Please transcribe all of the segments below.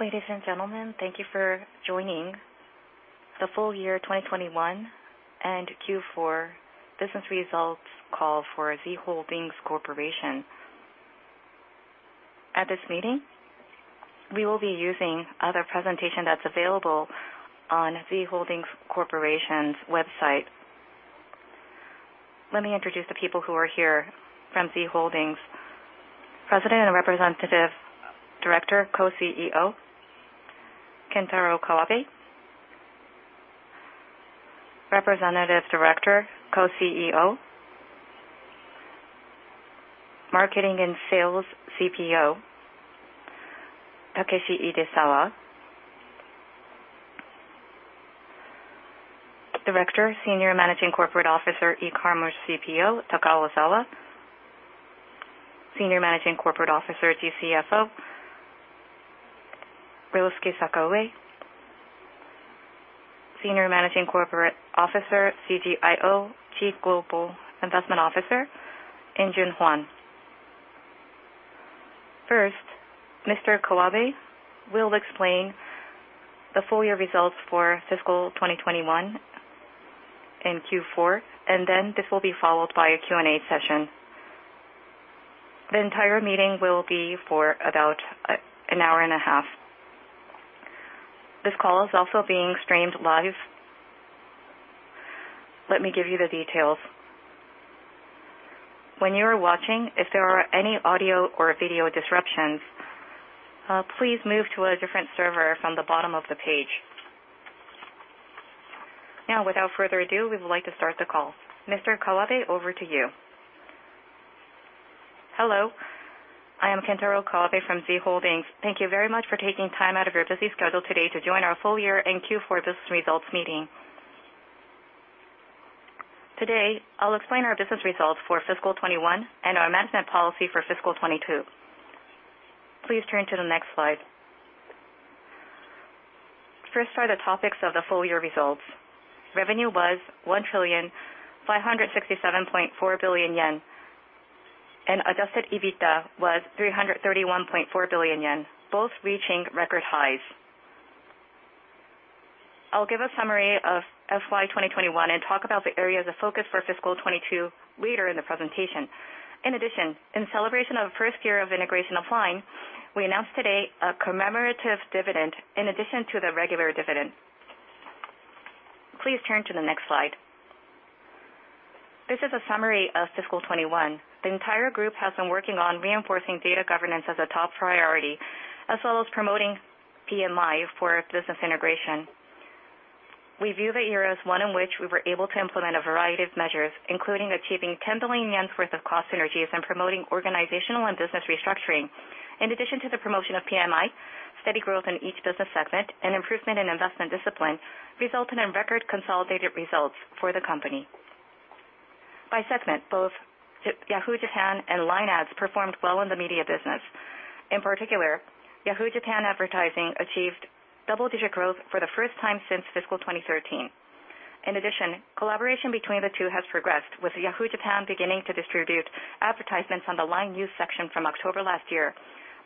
Ladies and gentlemen, thank you for joining the full year 2021 and Q4 business results call for Z Holdings Corporation. At this meeting, we will be using the presentation that's available on Z Holdings Corporation's website. Let me introduce the people who are here from Z Holdings. President and Representative Director, Co-CEO, Kentaro Kawabe. Representative Director, Co-CEO, Marketing and Sales CPO, Takeshi Idesawa. Director, Senior Managing Corporate Officer, E-Commerce CPO, Takao Ozawa. Senior Managing Corporate Officer, GCFO, Ryosuke Sakaue. Senior Managing Corporate Officer, CGIO, Chief Global Investment Officer, In Joon Hwang. First, Mr. Kawabe will explain the full year results for fiscal 2021 and Q4, and then this will be followed by a Q&A session. The entire meeting will be for about an hour and a half. This call is also being streamed live. Let me give you the details. When you are watching, if there are any audio or video disruptions, please move to a different server from the bottom of the page. Now, without further ado, we would like to start the call. Mr. Kawabe, over to you. Hello. I am Kentaro Kawabe from Z Holdings. Thank you very much for taking time out of your busy schedule today to join our full year and Q4 business results meeting. Today, I'll explain our business results for fiscal 2021 and our management policy for fiscal 2022. Please turn to the next slide. First are the topics of the full year results. Revenue was 1,567.4 billion yen, and Adjusted EBITDA was 331.4 billion yen, both reaching record highs. I'll give a summary of FY 2021 and talk about the areas of focus for fiscal 2022 later in the presentation. In addition, in celebration of first year of integration of LINE, we announced today a commemorative dividend in addition to the regular dividend. Please turn to the next slide. This is a summary of fiscal 2021. The entire group has been working on reinforcing data governance as a top priority, as well as promoting PMI for business integration. We view the year as one in which we were able to implement a variety of measures, including achieving 10 billion worth of cost synergies and promoting organizational and business restructuring. In addition to the promotion of PMI, steady growth in each business segment and improvement in investment discipline resulted in record consolidated results for the company. By segment, both Yahoo! Japan and LINE Ads performed well in the media business. In particular, Yahoo! Japan Advertising achieved double-digit growth for the first time since fiscal 2013. In addition, collaboration between the two has progressed, with Yahoo! Japan beginning to distribute advertisements on the LINE News section from October last year.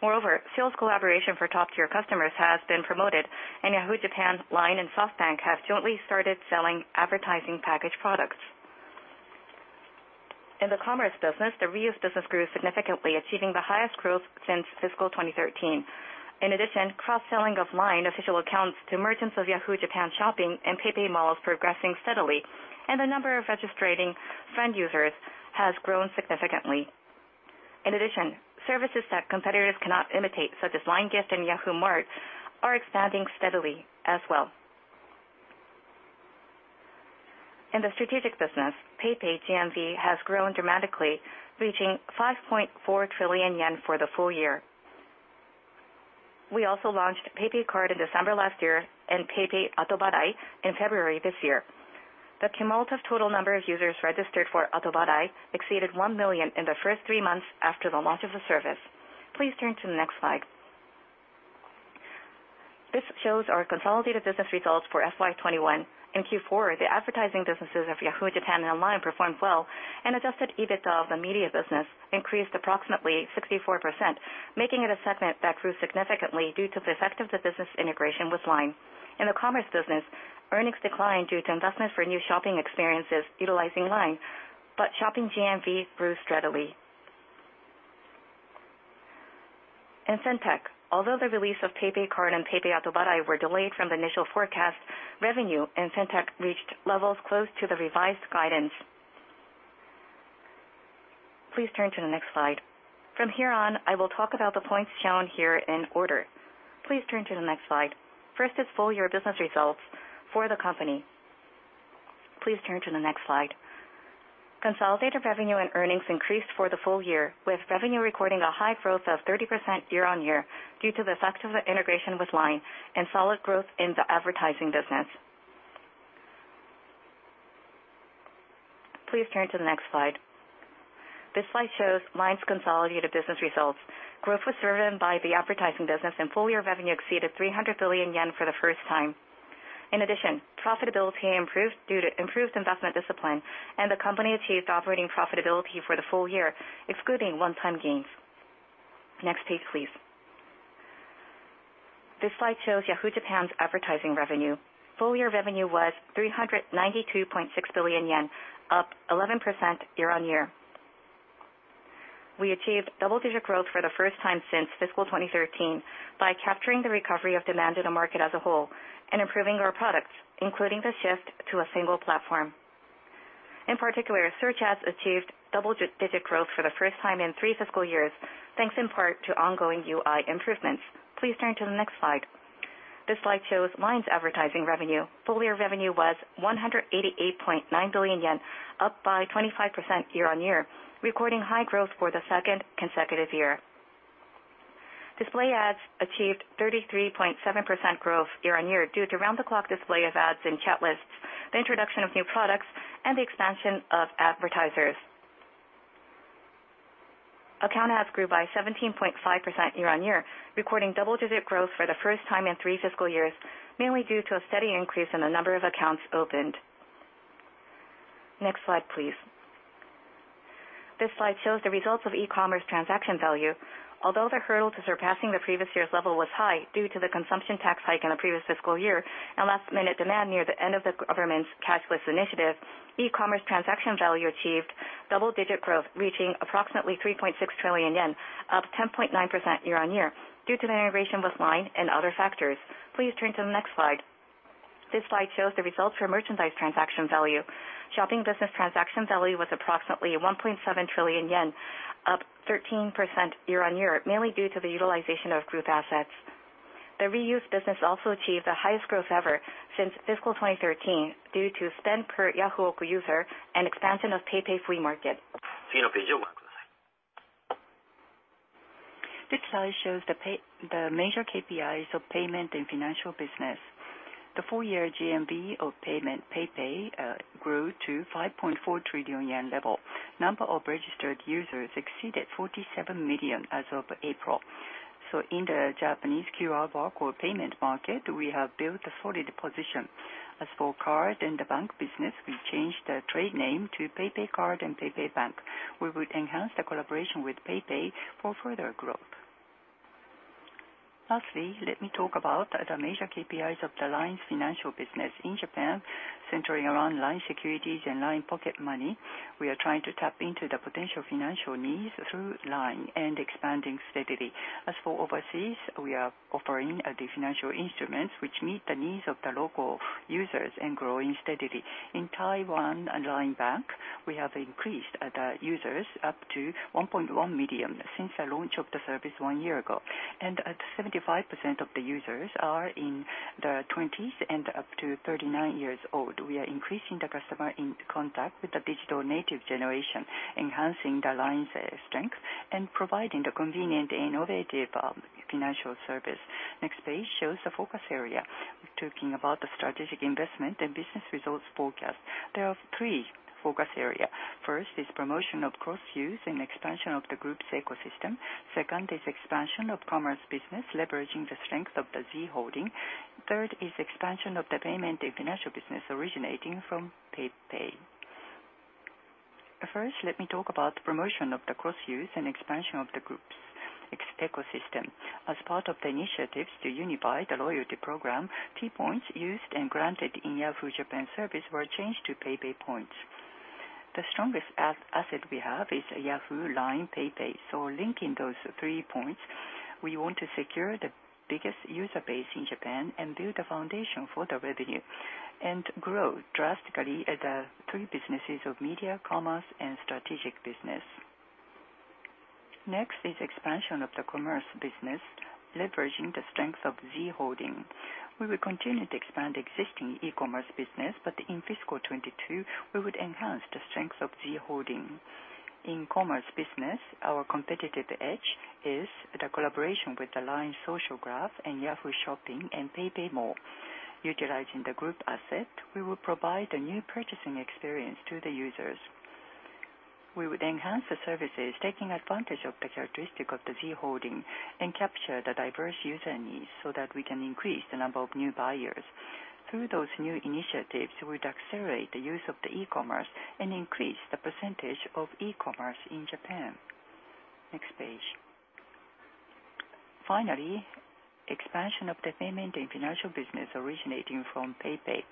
Moreover, sales collaboration for top-tier customers has been promoted, and Yahoo! Japan, LINE, and SoftBank have jointly started selling advertising package products. In the commerce business, the reuse business grew significantly, achieving the highest growth since fiscal 2013. In addition, cross-selling of LINE official accounts to merchants of Yahoo! Japan Shopping and PayPay Mall is progressing steadily, and the number of registered friend users has grown significantly. In addition, services that competitors cannot imitate, such as LINE Gift and Yahoo! JAPAN Mart, are expanding steadily as well. In the strategic business, PayPay GMV has grown dramatically, reaching 5.4 trillion yen for the full year. We also launched PayPay Card in December last year and PayPay Autopay in February this year. The cumulative total number of users registered for Autopay exceeded 1 million in the first three months after the launch of the service. Please turn to the next slide. This shows our consolidated business results for FY 2021. In Q4, the advertising businesses of Yahoo Japan and LINE performed well, and Adjusted EBITDA of the media business increased approximately 64%, making it a segment that grew significantly due to the effect of the business integration with LINE. In the commerce business, earnings declined due to investment for new shopping experiences utilizing LINE, but shopping GMV grew steadily. In FinTech, although the release of PayPay Card and PayPay Autopay were delayed from the initial forecast, revenue in FinTech reached levels close to the revised guidance. Please turn to the next slide. From here on, I will talk about the points shown here in order. Please turn to the next slide. First is full year business results for the company. Please turn to the next slide. Consolidated revenue and earnings increased for the full year, with revenue recording a high growth of 30% year-on-year due to the effects of the integration with LINE and solid growth in the advertising business. Please turn to the next slide. This slide shows LINE's consolidated business results. Growth was driven by the advertising business, and full-year revenue exceeded 300 billion yen for the first time. In addition, profitability improved due to improved investment discipline, and the company achieved operating profitability for the full year, excluding one-time gains. Next page, please. This slide shows Yahoo! Japan advertising revenue. Full-year revenue was 392.6 billion yen, up 11% year-on-year. We achieved double-digit growth for the first time since fiscal 2013 by capturing the recovery of demand in the market as a whole and improving our products, including the shift to a single platform. In particular, search ads achieved double digit growth for the first time in three fiscal years, thanks in part to ongoing UI improvements. Please turn to the next slide. This slide shows LINE advertising revenue. Full year revenue was 188.9 billion yen, up by 25% year-over-year, recording high growth for the second consecutive year. Display ads achieved 33.7% growth year-over-year due to round-the-clock display of ads and chat lists, the introduction of new products and the expansion of advertisers. Account ads grew by 17.5% year-over-year, recording double-digit growth for the first time in three fiscal years, mainly due to a steady increase in the number of accounts opened. Next slide, please. This slide shows the results of e-commerce transaction value. Although the hurdle to surpassing the previous year's level was high due to the consumption tax hike in the previous fiscal year and last minute demand near the end of the government's cashless initiative, e-commerce transaction value achieved double-digit growth, reaching approximately 3.6 trillion yen, up 10.9% year-on-year due to the integration with LINE and other factors. Please turn to the next slide. This slide shows the results for merchandise transaction value. Shopping business transaction value was approximately 1.7 trillion yen, up 13% year-on-year, mainly due to the utilization of group assets. The reuse business also achieved the highest growth ever since fiscal 2013 due to spend per Yahoo! user and expansion of PayPay Flea Market. This slide shows the major KPIs of payment and financial business. The full year GMV of PayPay grew to 5.4 trillion yen level. Number of registered users exceeded 47 million as of April. In the Japanese QR code payment market, we have built a solid position. As for card and the bank business, we changed the trade name to PayPay Card and PayPay Bank. We would enhance the collaboration with PayPay for further growth. Lastly, let me talk about the major KPIs of the LINE's financial business in Japan, centering around LINE Securities and LINE Pocket Money. We are trying to tap into the potential financial needs through LINE and expanding steadily. As for overseas, we are offering the financial instruments which meet the needs of the local users and growing steadily. In Taiwan and LINE Bank, we have increased the users up to 1.1 million since the launch of the service one year ago. At 75% of the users are in the 20s and up to 39 years old. We are increasing the customer in contact with the digital native generation, enhancing the LINE's strength and providing the convenient, innovative financial service. Next page shows the focus areas. Talking about the strategic investment and business results forecast. There are three focus areas. First is promotion of cross use and expansion of the group's ecosystem. Second is expansion of the commerce business, leveraging the strength of the Z Holdings. Third is expansion of the payment and financial business originating from PayPay. First, let me talk about the promotion of the cross use and expansion of the group's ecosystem. As part of the initiatives to unify the loyalty program, T-Points used and granted in Yahoo Japan service were changed to PayPay Points. The strongest asset we have is Yahoo, LINE, PayPay. Linking those three points, we want to secure the biggest user base in Japan and build a foundation for the revenue and grow drastically at the three businesses of media, commerce and strategic business. Next is expansion of the commerce business, leveraging the strength of Z Holdings. We will continue to expand existing e-commerce business, but in fiscal 2022, we would enhance the strength of Z Holdings. In commerce business, our competitive edge is the collaboration with the LINE Social Graph and Yahoo! JAPAN Shopping and PayPay Mall. Utilizing the group asset, we will provide a new purchasing experience to the users. We would enhance the services taking advantage of the characteristic of the Z Holdings and capture the diverse user needs so that we can increase the number of new buyers. Through those new initiatives, we'd accelerate the use of the e-commerce and increase the percentage of e-commerce in Japan. Next page. Finally, expansion of the payment and financial business originating from PayPay.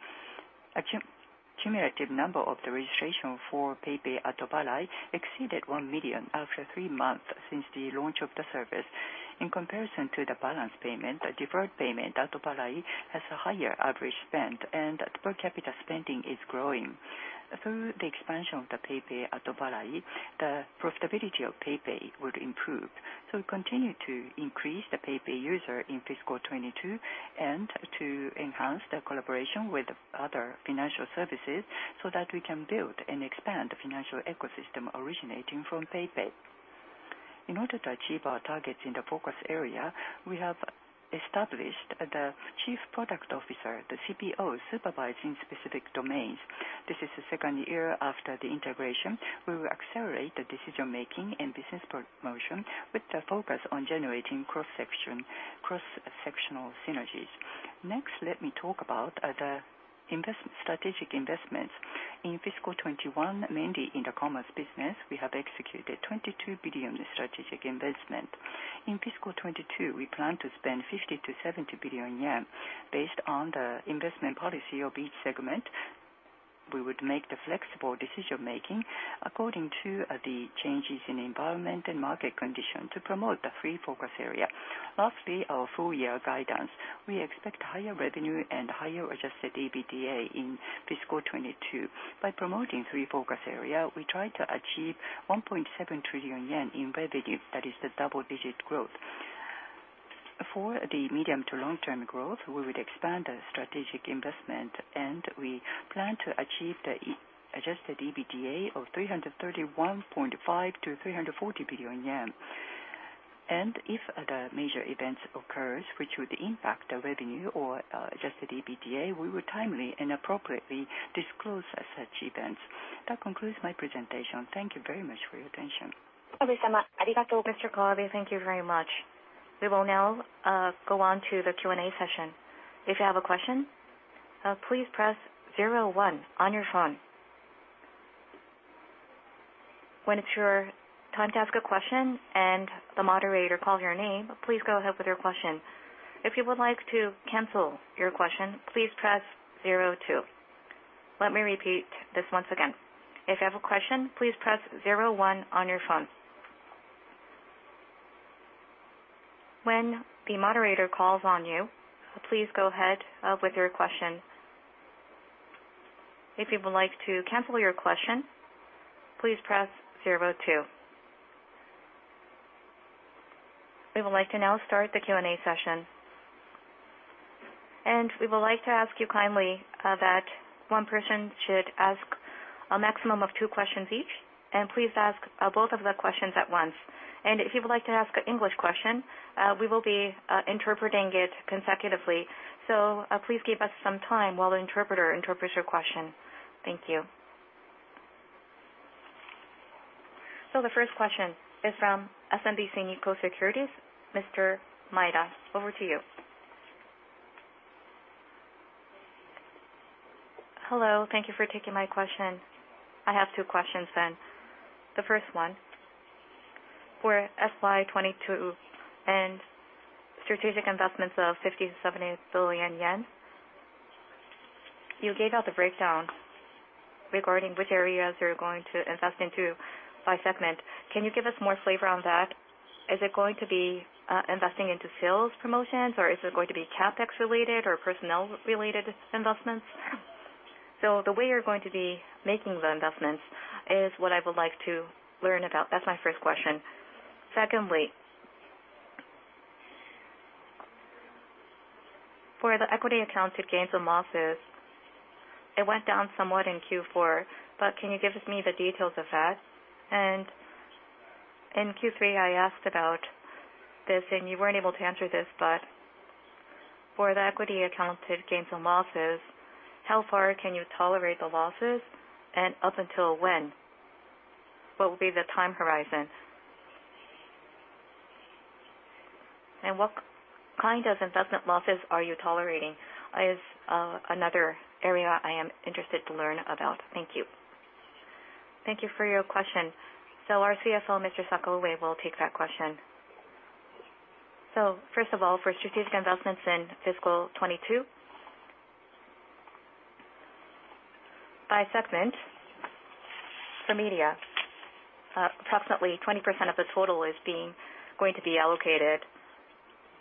A cumulative number of the registration for PayPay Atobarai exceeded 1 million after three months since the launch of the service. In comparison to the balance payment, a deferred payment, Atobarai has a higher average spend and the per capita spending is growing. Through the expansion of the PayPay Atobarai, the profitability of PayPay would improve. We continue to increase the PayPay user in fiscal 2022 and to enhance the collaboration with other financial services so that we can build and expand the financial ecosystem originating from PayPay. In order to achieve our targets in the focus area, we have established the Chief Product Officer, the CPO, supervising specific domains. This is the second year after the integration. We will accelerate the decision making and business promotion with the focus on generating cross-sectional synergies. Next, let me talk about strategic investments. In fiscal 2021, mainly in the commerce business, we have executed 22 billion strategic investment. In fiscal 2022, we plan to spend 50billion-70 billion yen based on the investment policy of each segment. We would make the flexible decision-making according to the changes in environment and market condition to promote the three focus area. Lastly, our full year guidance. We expect higher revenue and higher Adjusted EBITDA in fiscal 2022. By promoting three focus area, we try to achieve 1.7 trillion yen in revenue. That is the double-digit growth. For the medium to long-term growth, we would expand the strategic investment, and we plan to achieve the Adjusted EBITDA of 331.5 billion-340 billion yen. If the major events occurs, which would impact the revenue or Adjusted EBITDA, we will timely and appropriately disclose such events. That concludes my presentation. Thank you very much for your attention. Mr. Kawabe, thank you very much. We will now go on to the Q&A session. If you have a question, please press zero one on your phone. When it's your time to ask a question and the moderator calls your name, please go ahead with your question. If you would like to cancel your question, please press zero two. Let me repeat this once again. If you have a question, please press zero one on your phone. When the moderator calls on you, please go ahead with your question. If you would like to cancel your question, please press zero two. We would like to now start the Q&A session. We would like to ask you kindly that one person should ask a maximum of two questions each, and please ask both of the questions at once. If you would like to ask an English question, we will be interpreting it consecutively. Please give us some time while the interpreter interprets your question. Thank you. The first question is from SMBC Nikko Securities. Mr. Maeda, over to you. Hello. Thank you for taking my question. I have two questions then. The first one, for FY 2022 and strategic investments of 50 billion-70 billion yen, you gave out the breakdown regarding which areas you're going to invest into by segment. Can you give us more flavor on that? Is it going to be investing into sales promotions, or is it going to be CapEx related or personnel related investments? The way you're going to be making the investments is what I would like to learn about. That's my first question. Secondly, for the equity accounted gains and losses, it went down somewhat in Q4, but can you give me the details of that? In Q3, I asked about this, and you weren't able to answer this, but for the equity accounted gains and losses, how far can you tolerate the losses and up until when? What will be the time horizon? And what kind of investment losses are you tolerating? Is another area I am interested to learn about. Thank you. Thank you for your question. Our CFO, Mr. Sakaue, will take that question. First of all, for strategic investments in fiscal 2022, by segment, for media, approximately 20% of the total is going to be allocated.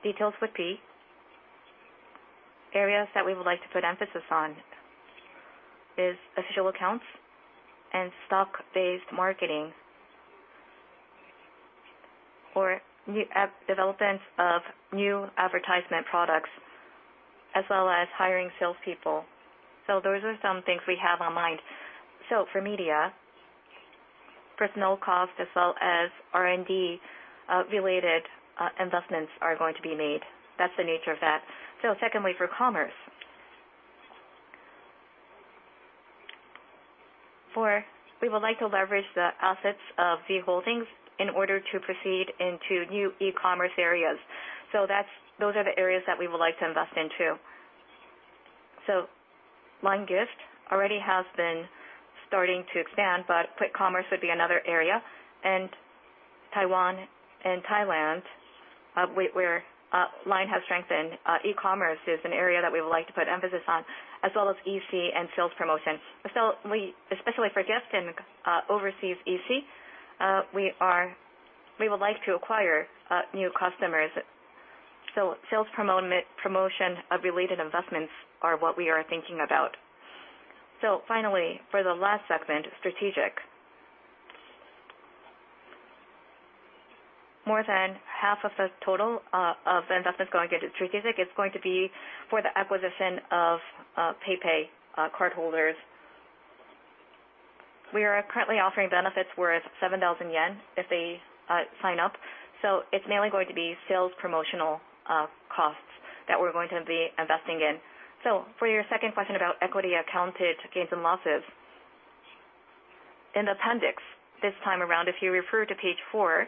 Details would be areas that we would like to put emphasis on is official accounts and social-based marketing or new development of new advertisement products, as well as hiring salespeople. Those are some things we have on mind. For media, personnel cost as well as R&D related investments are going to be made. That's the nature of that. Secondly, for commerce. We would like to leverage the assets of Z Holdings in order to proceed into new e-commerce areas. Those are the areas that we would like to invest into. LINE Gift already has been starting to expand, but quick commerce would be another area. Taiwan and Thailand, where LINE has strengthened e-commerce is an area that we would like to put emphasis on, as well as EC and sales promotion. We, especially for Gift and overseas EC, we would like to acquire new customers. Sales promotion of related investments are what we are thinking about. Finally, for the last segment, strategic. More than half of the total of investments going into strategic is going to be for the acquisition of PayPay cardholders. We are currently offering benefits worth 7,000 yen if they sign up. It's mainly going to be sales promotional costs that we're going to be investing in. For your second question about equity accounted gains and losses. In the appendix this time around, if you refer to page four,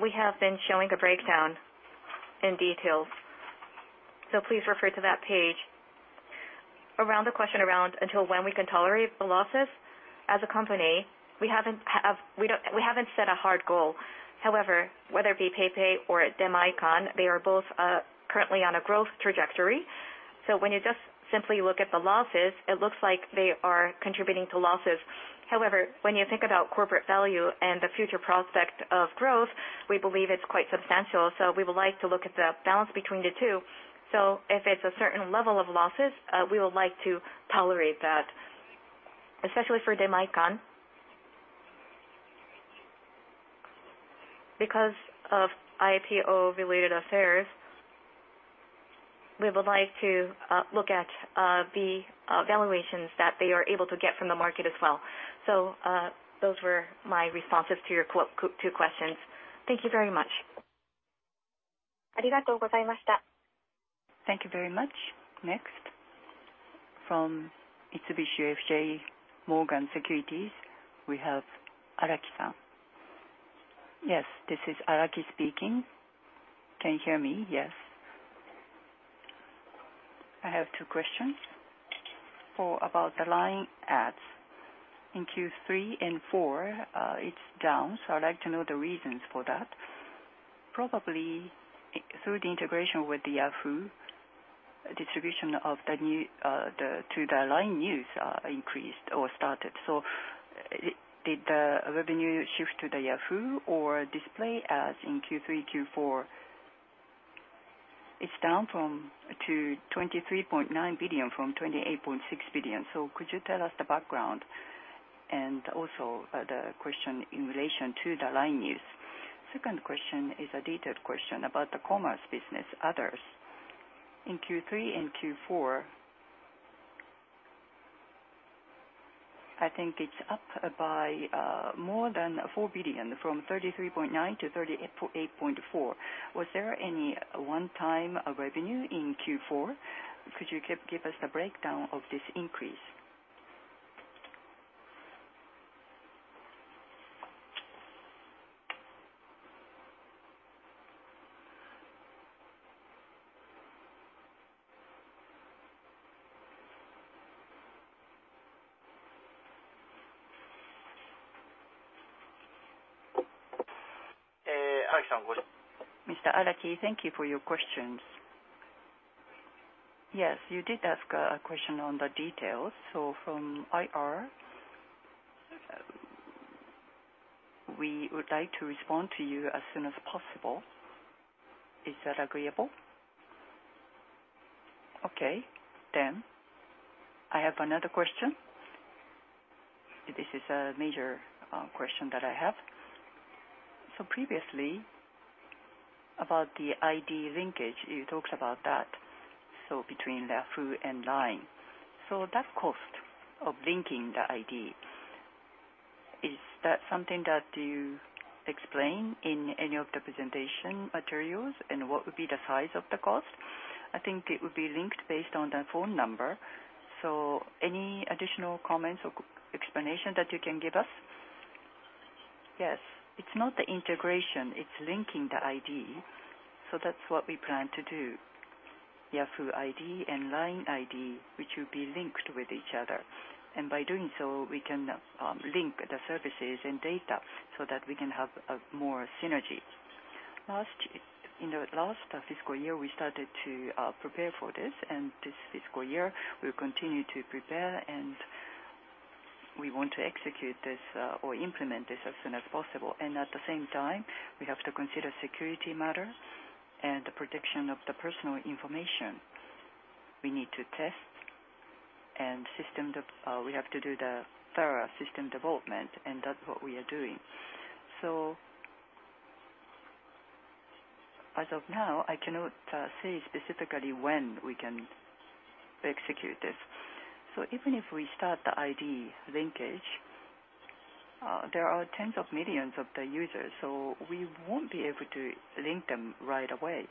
we have been showing a breakdown in detail. Please refer to that page. Around the question until when we can tolerate the losses as a company, we haven't set a hard goal. However, whether it be PayPay or Demae-can, they are both currently on a growth trajectory. When you just simply look at the losses, it looks like they are contributing to losses. However, when you think about corporate value and the future prospect of growth, we believe it's quite substantial. We would like to look at the balance between the two. If it's a certain level of losses, we would like to tolerate that, especially for Demae-can. Because of IPO-related affairs, we would like to look at the valuations that they are able to get from the market as well. Those were my responses to your two questions. Thank you very much. Thank you very much. Next, from Mitsubishi UFJ Morgan Stanley Securities, we have Araki-san. Yes, this is Araki speaking. Can you hear me? Yes. I have two questions. For about the LINE ads. In Q3 and Q4, it's down, so I'd like to know the reasons for that. Probably through the integration with the Yahoo!, distribution of the news to the LINE News increased or started. So did revenue shift to the Yahoo! or display ads in Q3, Q4? It's down to 23.9 billion from 28.6 billion. So could you tell us the background? Also the question in relation to the LINE News. Second question is a detailed question about the commerce business, others. In Q3 and Q4, I think it's up by more than 4 billion from 33.9 billion to 38.4 billion. Was there any one-time revenue in Q4? Could you give us the breakdown of this increase? Mr. Araki, thank you for your questions. Yes, you did ask a question on the details. From IR, we would like to respond to you as soon as possible. Is that agreeable? Okay. I have another question. This is a major question that I have. Previously about the ID linkage, you talked about that, so between Yahoo and LINE. That cost of linking the ID, is that something that you explain in any of the presentation materials, and what would be the size of the cost? I think it would be linked based on the phone number, so any additional comments or explanation that you can give us? Yes. It's not the integration, it's linking the ID. That's what we plan to do. Yahoo! ID and LINE ID, which will be linked with each other. By doing so, we can link the services and data so that we can have more synergy. Last, in the last fiscal year, we started to prepare for this, and this fiscal year we'll continue to prepare, and we want to execute this or implement this as soon as possible. At the same time, we have to consider security matters and the protection of the personal information. We need to test, and we have to do the thorough system development, and that's what we are doing. As of now, I cannot say specifically when we can execute this. Even if we start the ID linkage, there are 10s of millions of the users, so we won't be able to link them right away.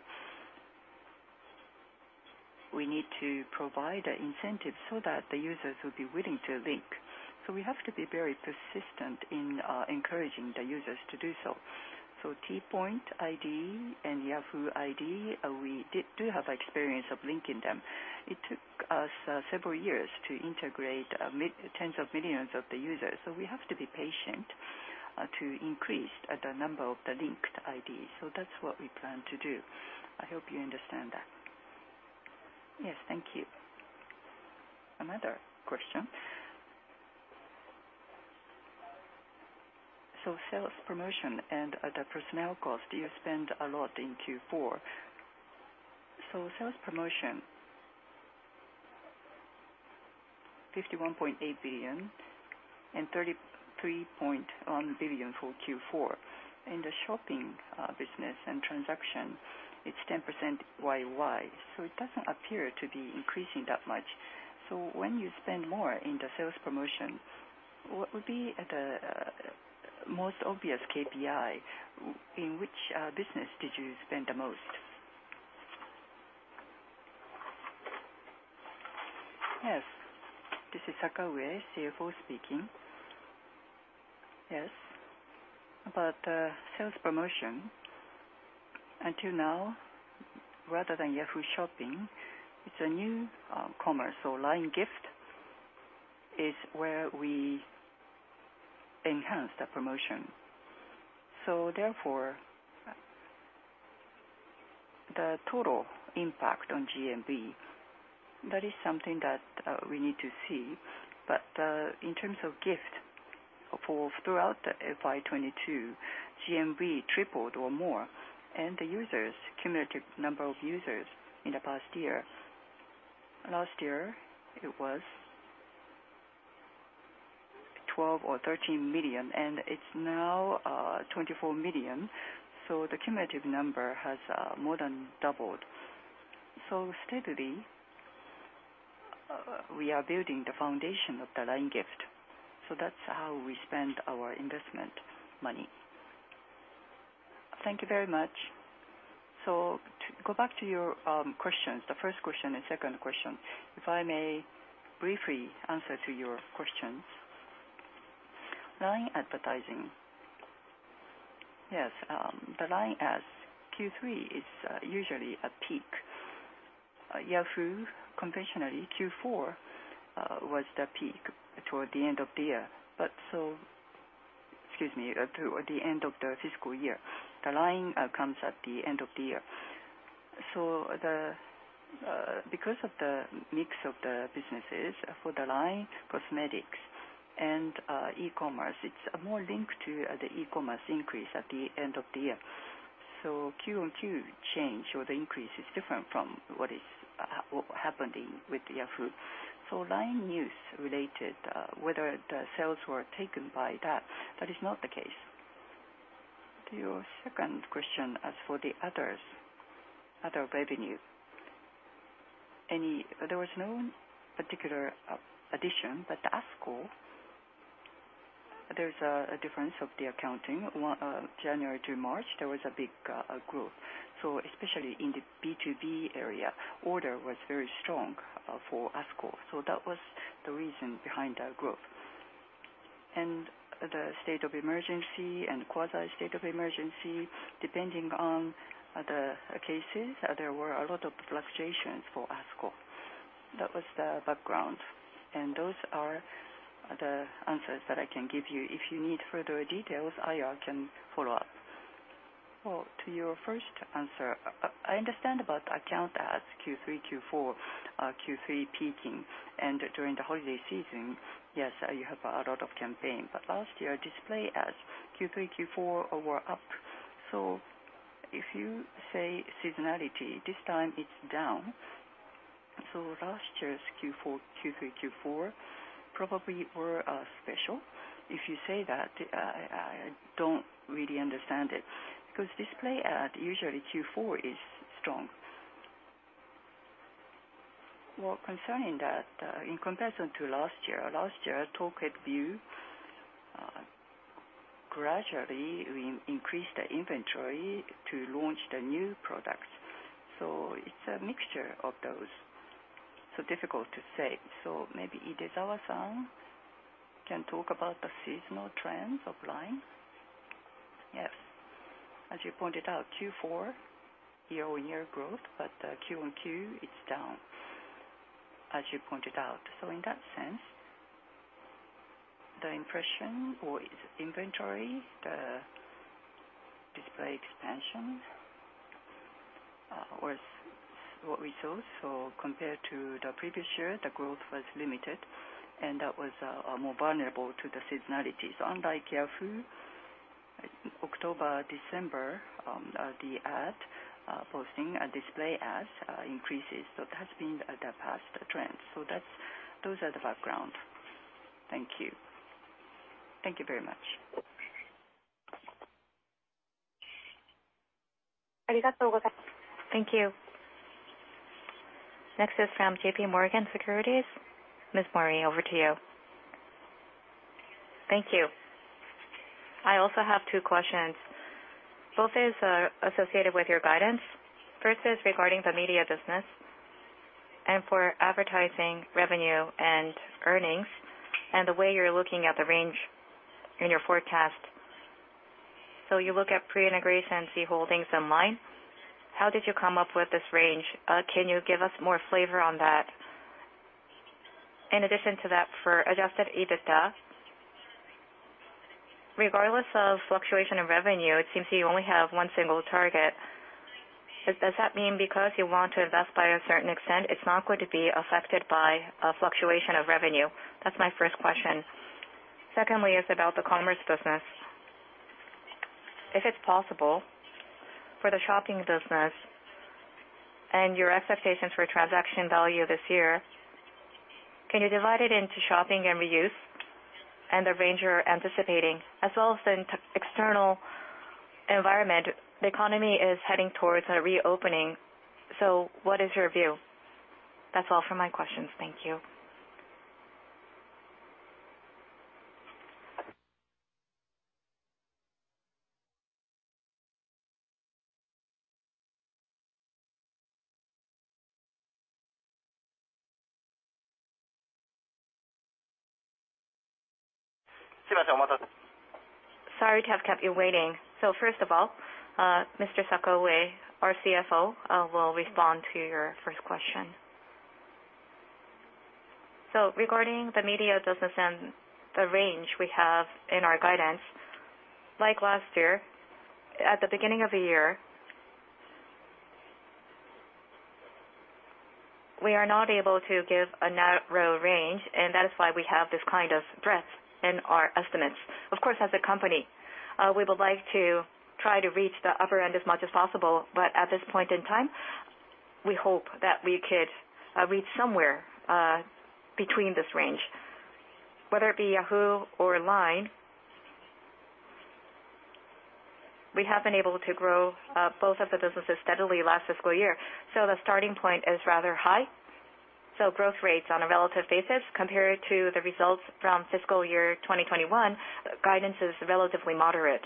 We need to provide an incentive so that the users will be willing to link. We have to be very persistent in encouraging the users to do so. T-Point ID and Yahoo! ID, we do have experience of linking them. It took us several years to integrate mid tens of millions of the users. We have to be patient to increase the number of the linked IDs. That's what we plan to do. I hope you understand that. Yes, thank you. Another question. Sales promotion and the personnel cost, you spend a lot in Q4. Sales promotion 51.8 billion. 33.1 billion for Q4. In the shopping business and transaction, it's 10% YoY, so it doesn't appear to be increasing that much. When you spend more in the sales promotion, what would be the most obvious KPI? In which business did you spend the most? Yes. This is Sakaue, CFO speaking. Yes. About sales promotion, until now rather than Yahoo Shopping, it's a new commerce. LINE Gift is where we enhance the promotion. Therefore, the total impact on GMV, that is something that we need to see. In terms of Gift for throughout the FY 2022, GMV tripled or more, and the users, cumulative number of users in the past year. Last year, it was 12 or 13 million, and it's now 24 million. The cumulative number has more than doubled. Steadily, we are building the foundation of the LINE Gift. That's how we spend our investment money. Thank you very much. To go back to your questions, the first question and second question, if I may briefly answer to your questions. LINE advertising. Yes, the LINE Ads Q3 is usually a peak. Yahoo! conventionally Q4 was the peak toward the end of the year. Excuse me, toward the end of the fiscal year. The LINE comes at the end of the year. Because of the mix of the businesses for the LINE cosmetics and e-commerce, it's more linked to the e-commerce increase at the end of the year. Q&Q change or the increase is different from what is happening with Yahoo. LINE NEWS related, whether the sales were taken by that is not the case. To your second question, as for the others, other revenue, there was no particular addition, but ASKUL, there's a difference of the accounting. In January to March, there was a big growth. Especially in the B2B area, order was very strong for ASKUL. That was the reason behind that growth. The state of emergency and quasi-state of emergency, depending on the cases, there were a lot of fluctuations for ASKUL. That was the background, and those are the answers that I can give you. If you need further details, IR can follow up. To your first answer, I understand about account ads Q3, Q4, Q3 peaking. During the holiday season, yes, you have a lot of campaign. Last year, display ads Q3, Q4 were up. If you say seasonality, this time it's down. Last year's Q4, Q3, Q4 probably were special. If you say that, I don't really understand it because display ad usually Q4 is strong. Concerning that, in comparison to last year, Talk Head View gradually we increased the inventory to launch the new products. It's a mixture of those. Difficult to say. Maybe Idezawa-san can talk about the seasonal trends of LINE. Yes. As you pointed out, Q4 year-on-year growth, but Q1 is down, as you pointed out. In that sense, the impression or inventory, the display expansion was what we saw. Compared to the previous year, the growth was limited, and that was more vulnerable to the seasonality. Unlike Yahoo!, October, December, the ad posting display ads increases. It has been the past trend. That's those are the background. Thank you. Thank you very much. Thank you. Next is from JPMorgan Securities. Ms. Mori, over to you. Thank you. I also have two questions. Both is associated with your guidance. First is regarding the media business and for advertising revenue and earnings and the way you're looking at the range in your forecast. So you look at pre-integration Z Holdings and LINE. How did you come up with this range? Can you give us more flavor on that? In addition to that, for Adjusted EBITDA, regardless of fluctuation in revenue, it seems you only have one single target. Does that mean because you want to invest by a certain extent, it's not going to be affected by a fluctuation of revenue? That's my first question. Secondly is about the commerce business. If it's possible for the shopping business and your expectations for transaction value this year, can you divide it into shopping and reuse and the range you're anticipating as well as the internal-external environment? The economy is heading towards a reopening, so what is your view? That's all for my questions. Thank you. Sorry to have kept you waiting. First of all, Mr. Sakaue, our CFO, will respond to your first question. Regarding the media business and the range we have in our guidance, like last year, at the beginning of the year, we are not able to give a narrow range, and that is why we have this kind of breadth in our estimates. Of course, as a company, we would like to try to reach the upper end as much as possible, but at this point in time, we hope that we could reach somewhere between this range. Whether it be Yahoo! or LINE, we have been able to grow both of the businesses steadily last fiscal year, so the starting point is rather high. Growth rates on a relative basis compared to the results from fiscal year 2021, guidance is relatively moderate.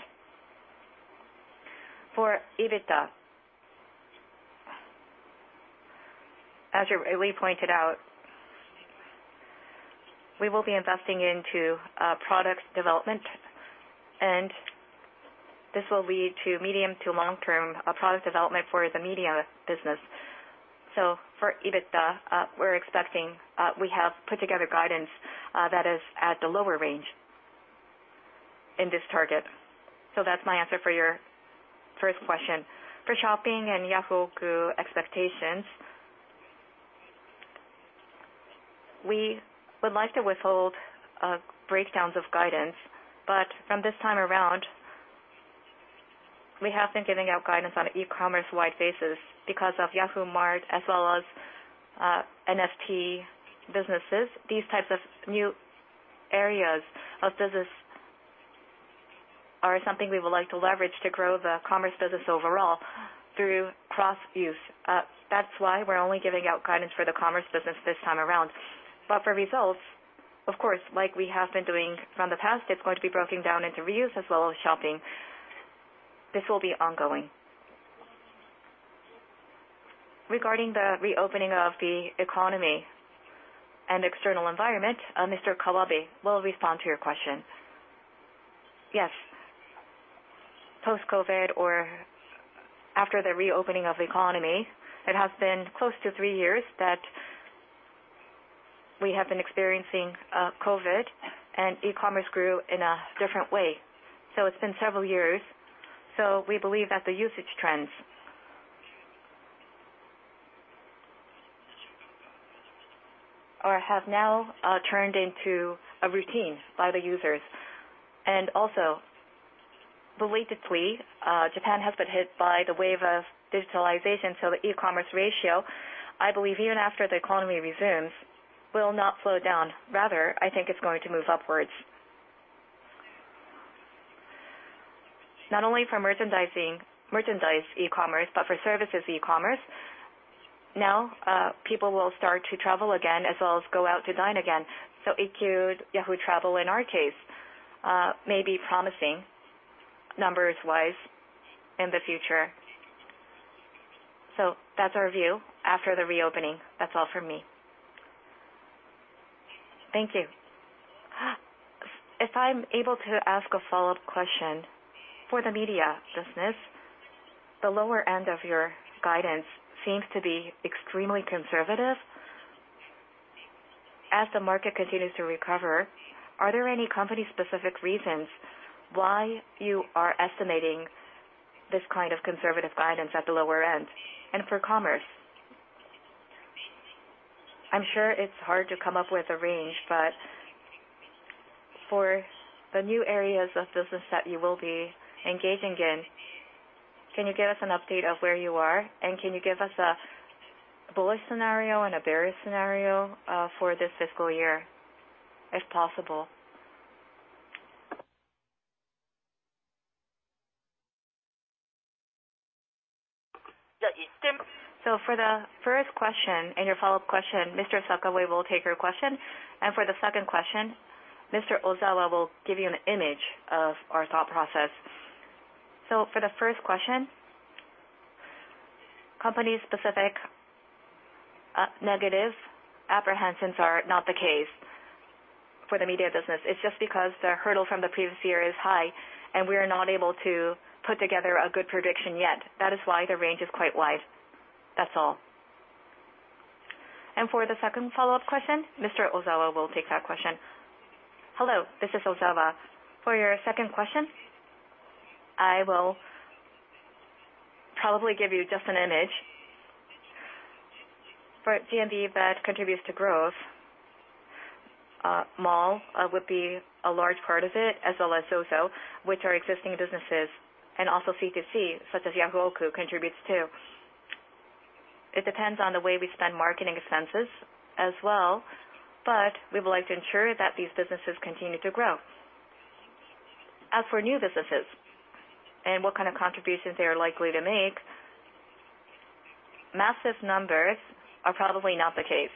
For EBITDA, as we pointed out, we will be investing into product development and this will lead to medium to long-term product development for the media business. For EBITDA, we're expecting, we have put together guidance that is at the lower range in this target. That's my answer for your first question. For shopping and Yahoo! expectations, we would like to withhold breakdowns of guidance. From this time around, we have been giving out guidance on an e-commerce-wide basis because of Yahoo! JAPAN Mart as well as NFT businesses. These types of new areas of business are something we would like to leverage to grow the commerce business overall through cross views. That's why we're only giving out guidance for the commerce business this time around. For results, of course, like we have been doing from the past, it's going to be broken down into reuse as well as shopping. This will be ongoing. Regarding the reopening of the economy and external environment, Mr. Kawabe will respond to your question. Yes. Post-COVID or after the reopening of the economy, it has been close to three years that we have been experiencing COVID and e-commerce grew in a different way. It's been several years. We believe that the usage trends or have now turned into a routine by the users. Lately, Japan has been hit by the wave of digitalization, so the e-commerce ratio, I believe even after the economy resumes, will not slow down. Rather, I think it's going to move upwards. Not only for merchandise e-commerce, but for services e-commerce. Now, people will start to travel again as well as go out to dine again. So e.g., Yahoo! Travel, in our case, may be promising numbers-wise in the future. That's our view after the reopening. That's all for me. Thank you. If I'm able to ask a follow-up question, for the media business, the lower end of your guidance seems to be extremely conservative. As the market continues to recover, are there any company specific reasons why you are estimating this kind of conservative guidance at the lower end? And for commerce, I'm sure it's hard to come up with a range, but for the new areas of business that you will be engaging in, can you give us an update of where you are? And can you give us a bullish scenario and a bearish scenario, for this fiscal year, if possible? For the first question and your follow-up question, Mr. Sakaue will take your question. And for the second question, Mr. Ozawa will give you an image of our thought process. For the first question, company specific, negative apprehensions are not the case for the media business. It's just because the hurdle from the previous year is high, and we are not able to put together a good prediction yet. That is why the range is quite wide. That's all. For the second follow-up question, Mr. Ozawa will take that question. Hello, this is Ozawa. For your second question, I will probably give you just an image. For GMV that contributes to growth, mall would be a large part of it, as well as ZOZO, which are existing businesses, and also C2C, such as Yahoo! Auctions contributes too. It depends on the way we spend marketing expenses as well, but we would like to ensure that these businesses continue to grow. As for new businesses and what kind of contributions they are likely to make, massive numbers are probably not the case.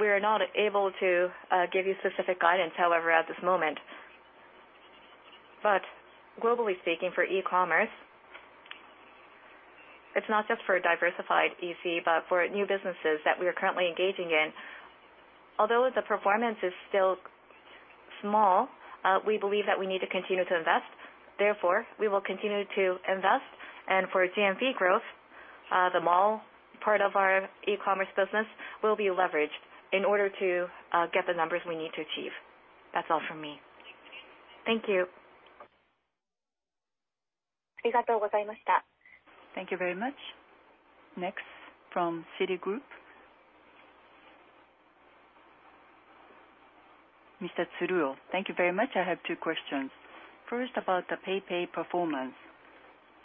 We are not able to give you specific guidance, however, at this moment. Globally speaking, for e-commerce, it's not just for diversified EC, but for new businesses that we are currently engaging in. Although the performance is still small, we believe that we need to continue to invest, therefore, we will continue to invest. For GMV growth, the mall part of our e-commerce business will be leveraged in order to get the numbers we need to achieve. That's all from me. Thank you. Thank you very much. Next from Citigroup. Mr. Tsuruo, thank you very much. I have two questions. First, about the PayPay performance.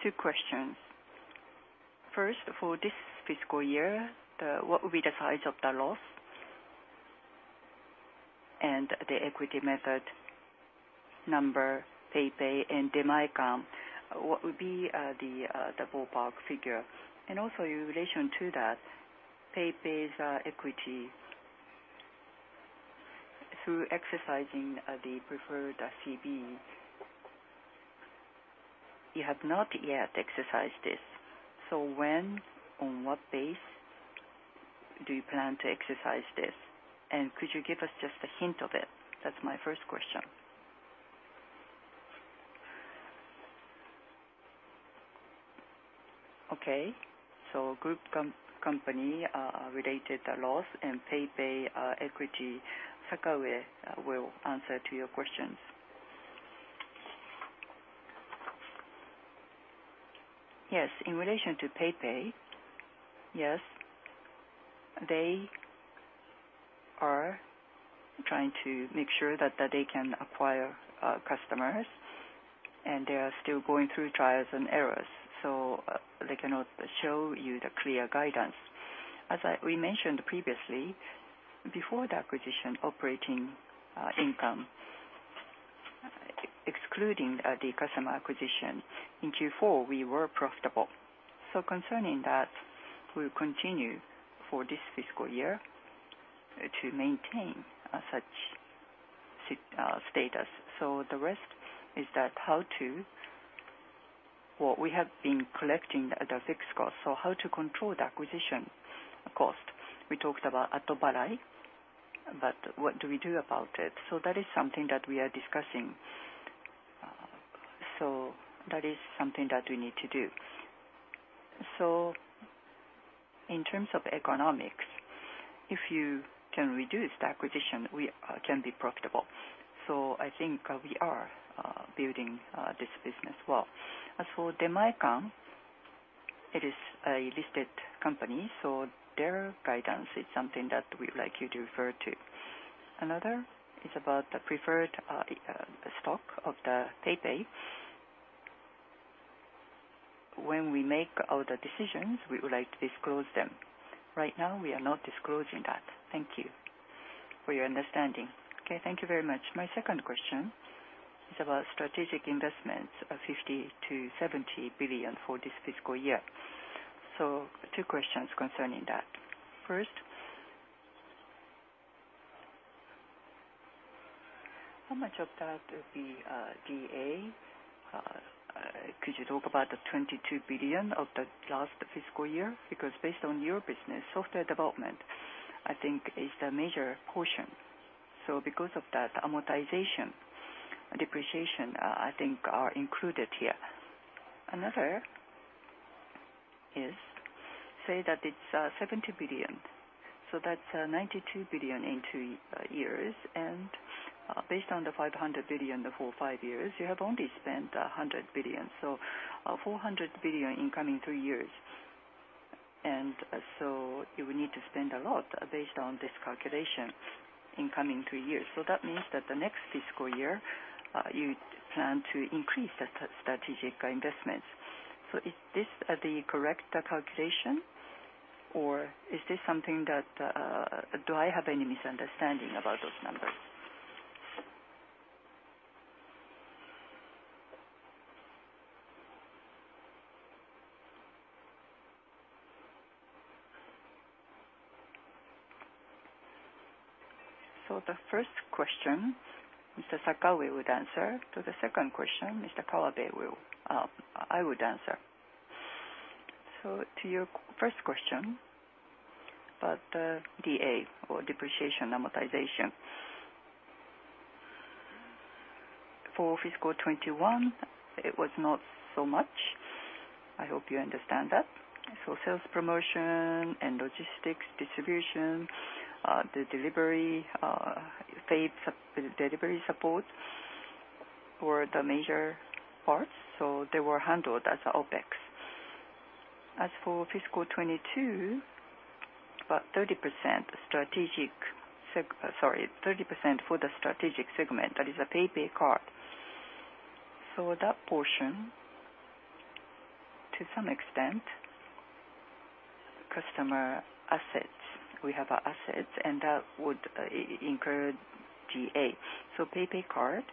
Two questions. First, for this fiscal year, what will be the size of the loss? And the equity method number, PayPay and Demae-can, what would be the ballpark figure? And also in relation to that, PayPay's equity through exercising the preferred CB. You have not yet exercised this. When, on what base do you plan to exercise this? And could you give us just a hint of it? That's my first question. Okay. Group company related loss and PayPay equity, Sakaue will answer to your questions. Yes. In relation to PayPay, yes, they are trying to make sure that they can acquire customers, and they are still going through trials and errors, so they cannot show you the clear guidance. We mentioned previously, before the acquisition operating income, excluding the customer acquisition in Q4, we were profitable. Concerning that, we'll continue for this fiscal year to maintain such status. The rest is that how to. Well, we have been collecting the fixed cost, so how to control the acquisition cost. We talked about Atobarai, but what do we do about it? That is something that we are discussing. That is something that we need to do. In terms of economics, if you can reduce the acquisition, we can be profitable. I think we are building this business well. As for Demae-can, it is a listed company, so their guidance is something that we'd like you to refer to. Another is about the preferred stock of the PayPay. When we make all the decisions, we would like to disclose them. Right now, we are not disclosing that. Thank you for your understanding. Okay. Thank you very much. My second question is about strategic investments of 50 billion-70 billion for this fiscal year. Two questions concerning that. First, how much of that would be D&A? Could you talk about the 22 billion of the last fiscal year? Because based on your business, software development, I think is the major portion. Because of that, amortization and depreciation, I think are included here. Another is, say that it's 70 billion, so that's 92 billion in two years. Based on the 500 billion for five years, you have only spent 100 billion. 400 billion in coming two years. You will need to spend a lot based on this calculation in coming two years. That means that the next fiscal year you plan to increase the strategic investments. Is this the correct calculation, or is this something that do I have any misunderstanding about those numbers? The first question, Mr. Sakaue would answer. To the second question, Mr. Kawabe will, I would answer. To your first question about D&A or depreciation and amortization. For fiscal 2021, it was not so much. I hope you understand that. Sales promotion and logistics distribution, the delivery, paid delivery support were the major parts, so they were handled as OpEx. As for fiscal 2022, about 30% for the strategic segment, that is a PayPay Card. That portion to some extent, customer assets. We have our assets and that would include D&A. PayPay Card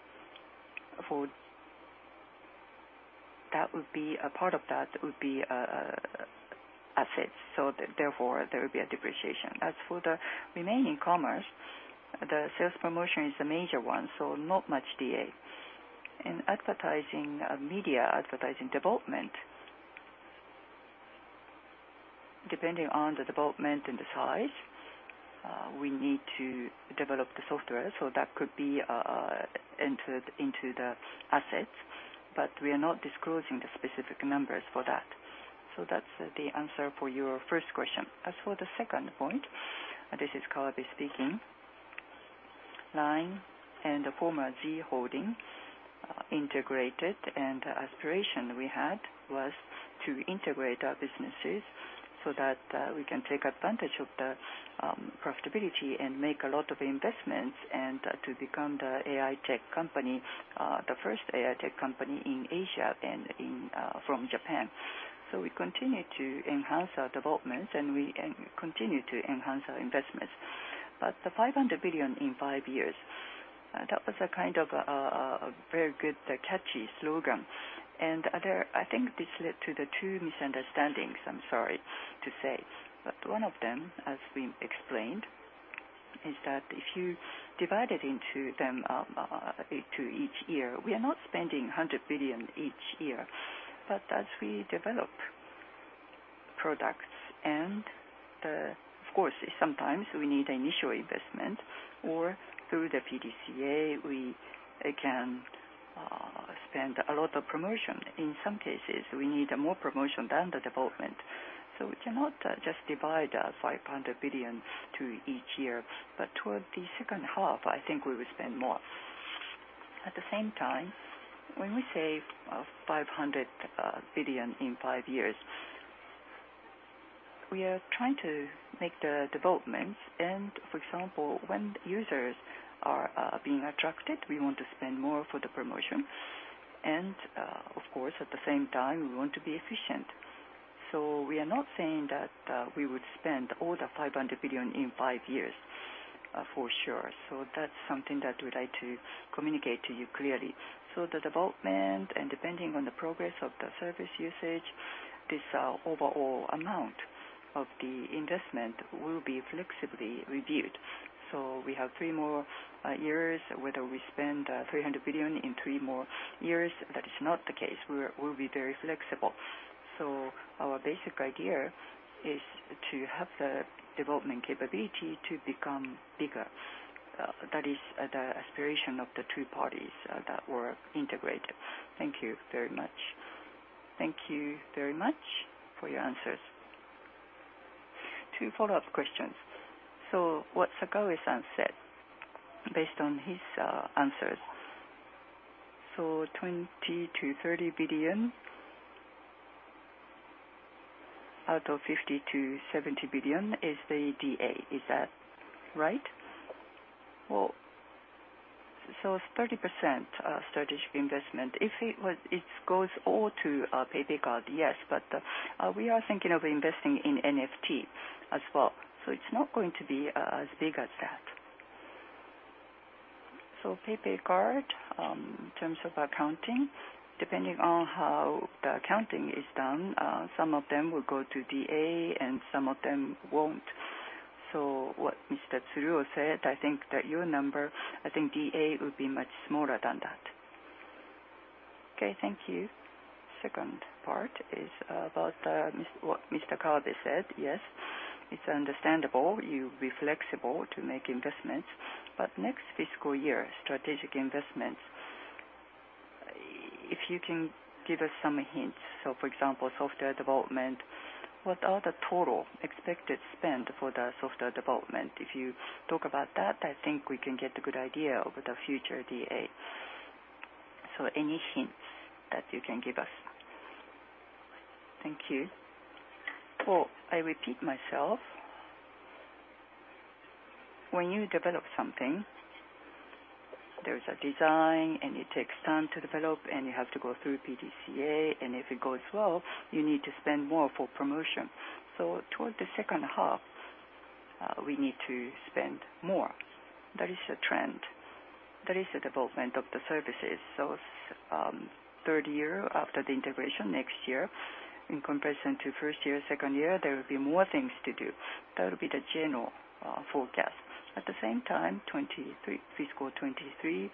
for, that would be, a part of that would be assets, so therefore there will be a depreciation. As for the remaining commerce, the sales promotion is the major one, so not much D&A. In advertising, media advertising development, depending on the development and the size, we need to develop the software, so that could be entered into the assets, but we are not disclosing the specific numbers for that. That's the answer for your first question. As for the second point, this is Kawabe speaking. LINE and the former Z Holdings integrated, and the aspiration we had was to integrate our businesses so that we can take advantage of the profitability and make a lot of investments and to become the AI tech company, the first AI tech company in Asia and in from Japan. We continue to enhance our developments and continue to enhance our investments. The 500 billion in five years that was a kind of a very good catchy slogan. Other, I think this led to the two misunderstandings, I'm sorry to say. One of them, as we explained, is that if you divided into them to each year, we are not spending 100 billion each year. As we develop products and, of course, sometimes we need initial investment or through the PDCA, we again spend a lot of promotion. In some cases, we need more promotion than the development. We cannot just divide the 500 billion to each year. Toward the second half, I think we will spend more. At the same time, when we say 500 billion in five years, we are trying to make the developments. For example, when users are being attracted, we want to spend more for the promotion. Of course, at the same time, we want to be efficient. We are not saying that we would spend all the 500 billion in five years for sure. That's something that we'd like to communicate to you clearly. The development and depending on the progress of the service usage, this overall amount of the investment will be flexibly reviewed. We have three more years, whether we spend 300 billion in three more years, that is not the case. We'll be very flexible. Our basic idea is to have the development capability to become bigger. That is the aspiration of the two parties that were integrated. Thank you very much. Thank you very much for your answers. Two follow-up questions. What Sakaue-san said, based on his answers. 20 billion- 30 billion out of 50 billion-70 billion is the D&A, is that right? Well, it's 30% strategic investment. If it was, it goes all to PayPay Card, yes. We are thinking of investing in NFT as well, so it's not going to be as big as that. PayPay Card, in terms of accounting, depending on how the accounting is done, some of them will go to D&A and some of them won't. What Mr. Tsuruo said, I think that your number, I think D&A would be much smaller than that. Okay, thank you. Second part is about what Mr. Kawabe said. Yes, it's understandable you be flexible to make investments, but next fiscal year strategic investments, if you can give us some hints. For example, software development, what are the total expected spend for the software development? If you talk about that, I think we can get a good idea of the future D&A. Any hints that you can give us? Thank you. Well, I repeat myself. When you develop something, there is a design, and it takes time to develop, and you have to go through PDCA, and if it goes well, you need to spend more for promotion. Towards the second half, we need to spend more. That is the trend. That is the development of the services. Third year after the integration, next year, in comparison to first year, second year, there will be more things to do. That will be the general forecast. At the same time, 2023, fiscal 2023,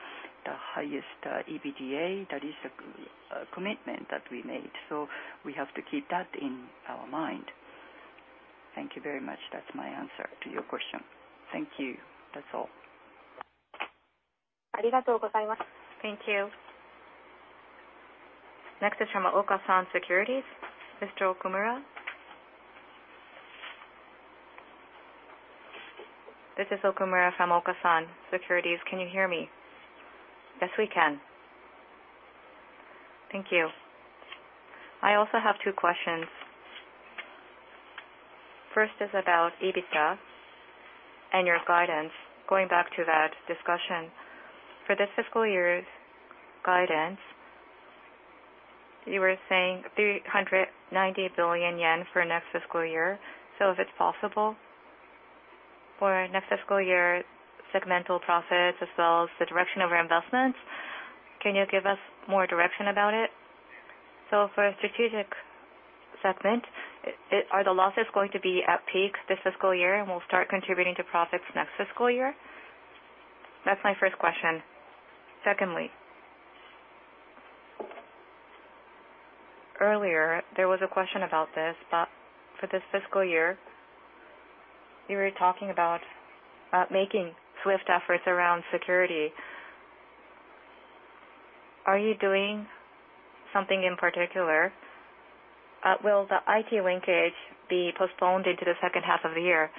the highest EBITDA, that is a commitment that we made. We have to keep that in our mind. Thank you very much. That's my answer to your question. Thank you. That's all. Thank you. Next is from Okasan Securities, Mr. Okumura. This is Okumura from Okasan Securities. Can you hear me? Yes, we can. Thank you. I also have two questions. First is about EBITDA and your guidance. Going back to that discussion. For this fiscal year's guidance, you were saying 390 billion yen for next fiscal year. If it's possible for next fiscal year segmental profits as well as the direction of our investments, can you give us more direction about it? For strategic segment, are the losses going to be at peak this fiscal year and will start contributing to profits next fiscal year? That's my first question. Secondly, earlier there was a question about this, but for this fiscal year you were talking about making swift efforts around security. Are you doing something in particular? Will the IT linkage be postponed into the second half of the year?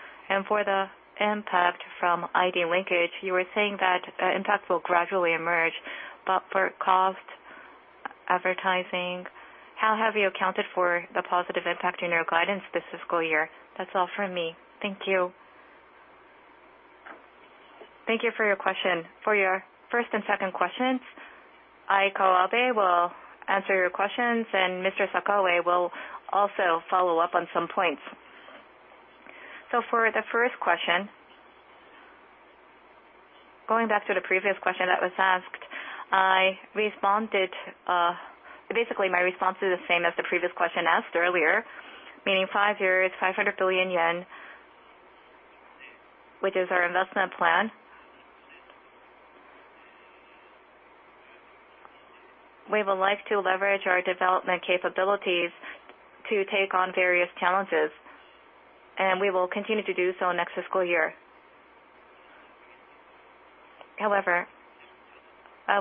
For the impact from ID linkage, you were saying that impact will gradually emerge. For cost advertising, how have you accounted for the positive impact in your guidance this fiscal year? That's all from me. Thank you. Thank you for your question. For your first and second questions, I, Kawabe, will answer your questions and Mr. Sakaue will also follow up on some points. For the first question, going back to the previous question that was asked, I responded, basically my response is the same as the previous question asked earlier, meaning five years, 500 billion yen, which is our investment plan. We would like to leverage our development capabilities to take on various challenges, and we will continue to do so next fiscal year. However,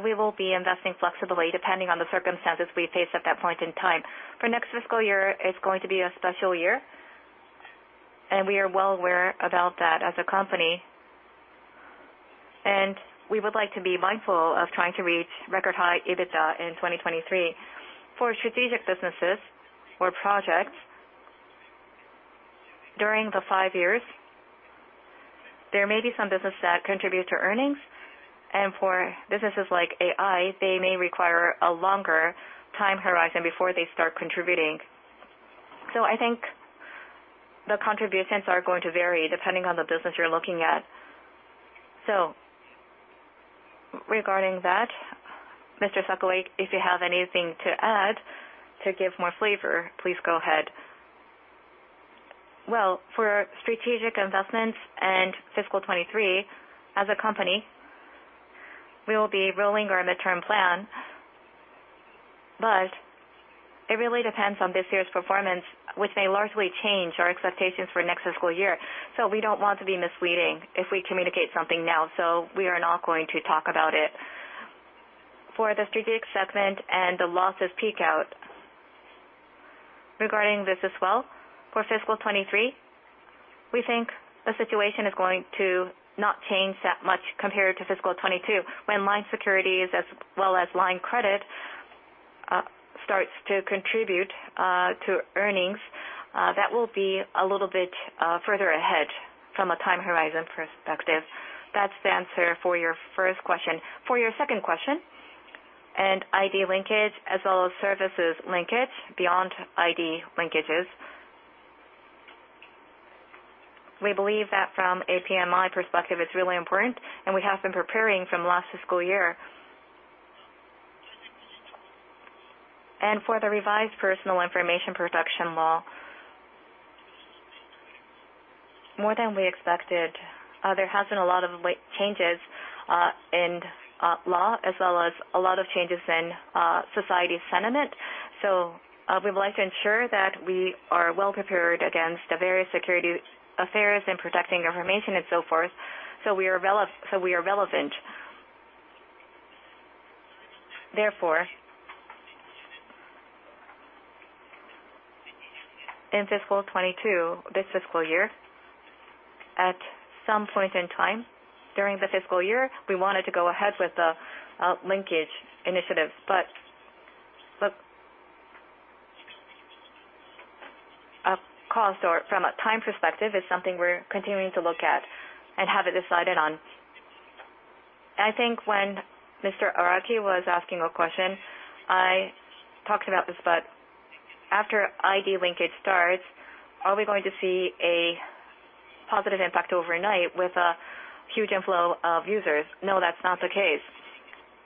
we will be investing flexibly depending on the circumstances we face at that point in time. For next fiscal year, it's going to be a special year and we are well aware about that as a company, and we would like to be mindful of trying to reach record high EBITDA in 2023. For strategic businesses or projects, during the five years, there may be some business that contribute to earnings, and for businesses like AI, they may require a longer time horizon before they start contributing. I think the contributions are going to vary depending on the business you're looking at. Regarding that, Mr. Sakaue, if you have anything to add to give more flavor, please go ahead. Well, for strategic investments and fiscal 2023, as a company, we will be rolling our midterm plan. It really depends on this year's performance, which may largely change our expectations for next fiscal year. We don't want to be misleading if we communicate something now. We are not going to talk about it. For the strategic segment and the losses peak out regarding this as well, for fiscal 2023, we think the situation is going to not change that much compared to fiscal 2022. When LINE Securities as well as LINE Credit starts to contribute to earnings, that will be a little bit further ahead from a time horizon perspective. That's the answer for your first question. For your second question, ID linkage as well as services linkage beyond ID linkages, we believe that from PMI perspective it's really important and we have been preparing from last fiscal year. For the revised personal information protection law, more than we expected, there has been a lot of late changes in law as well as a lot of changes in society sentiment. We would like to ensure that we are well prepared against the various security affairs in protecting information and so forth, so we are relevant. Therefore, in fiscal 2022, this fiscal year, at some point in time during the fiscal year, we wanted to go ahead with the linkage initiative. Cost or from a time perspective is something we're continuing to look at and have it decided on. I think when Mr. Araki was asking a question, I talked about this, but after ID linkage starts, are we going to see a positive impact overnight with a huge inflow of users? No, that's not the case.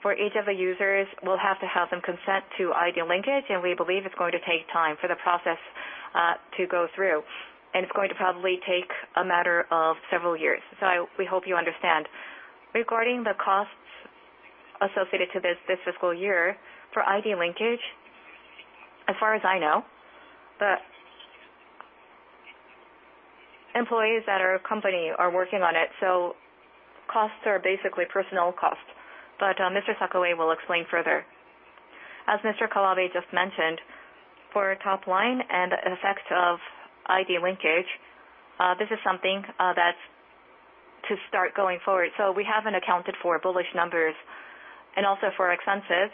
For each of the users, we'll have to have them consent to ID linkage, and we believe it's going to take time for the process to go through, and it's going to probably take a matter of several years. We hope you understand. Regarding the costs associated to this fiscal year for ID linkage, as far as I know, employees at our company are working on it, so costs are basically personnel costs. Mr. Sakaue will explain further. As Mr. Kawabe just mentioned, for top line and effect of ID linkage, this is something that's to start going forward. We haven't accounted for bullish numbers. Also for expenses,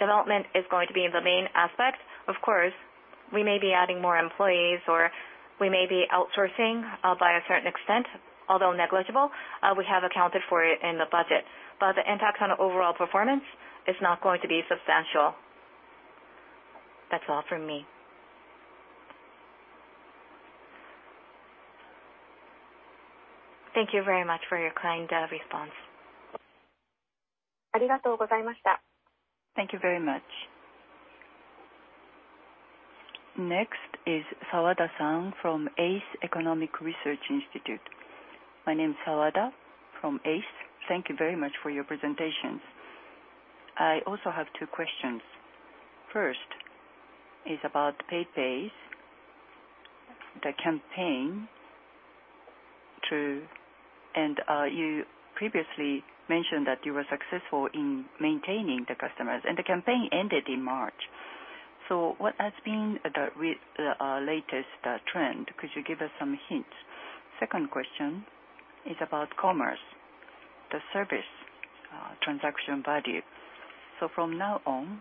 development is going to be the main aspect. Of course, we may be adding more employees or we may be outsourcing, by a certain extent, although negligible, we have accounted for it in the budget. The impact on overall performance is not going to be substantial. That's all from me. Thank you very much for your kind response. Thank you very much. Next is Yasuda-san from Ace Research Institute. My name is Yasuda from Ace. Thank you very much for your presentation. I also have two questions. First is about PayPay, the campaign. You previously mentioned that you were successful in maintaining the customers, and the campaign ended in March. What has been the latest trend? Could you give us some hints? Second question is about commerce, the service transaction value. From now on,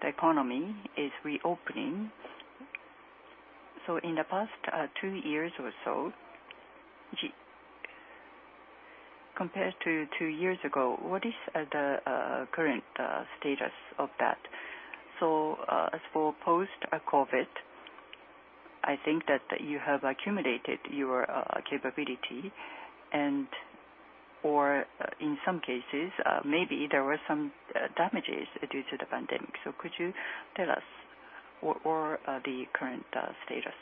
the economy is reopening. In the past two years or so, compared to two years ago, what is the current status of that? As for post-COVID, I think that you have accumulated your capability and, or in some cases, maybe there were some damages due to the pandemic. Could you tell us the current status?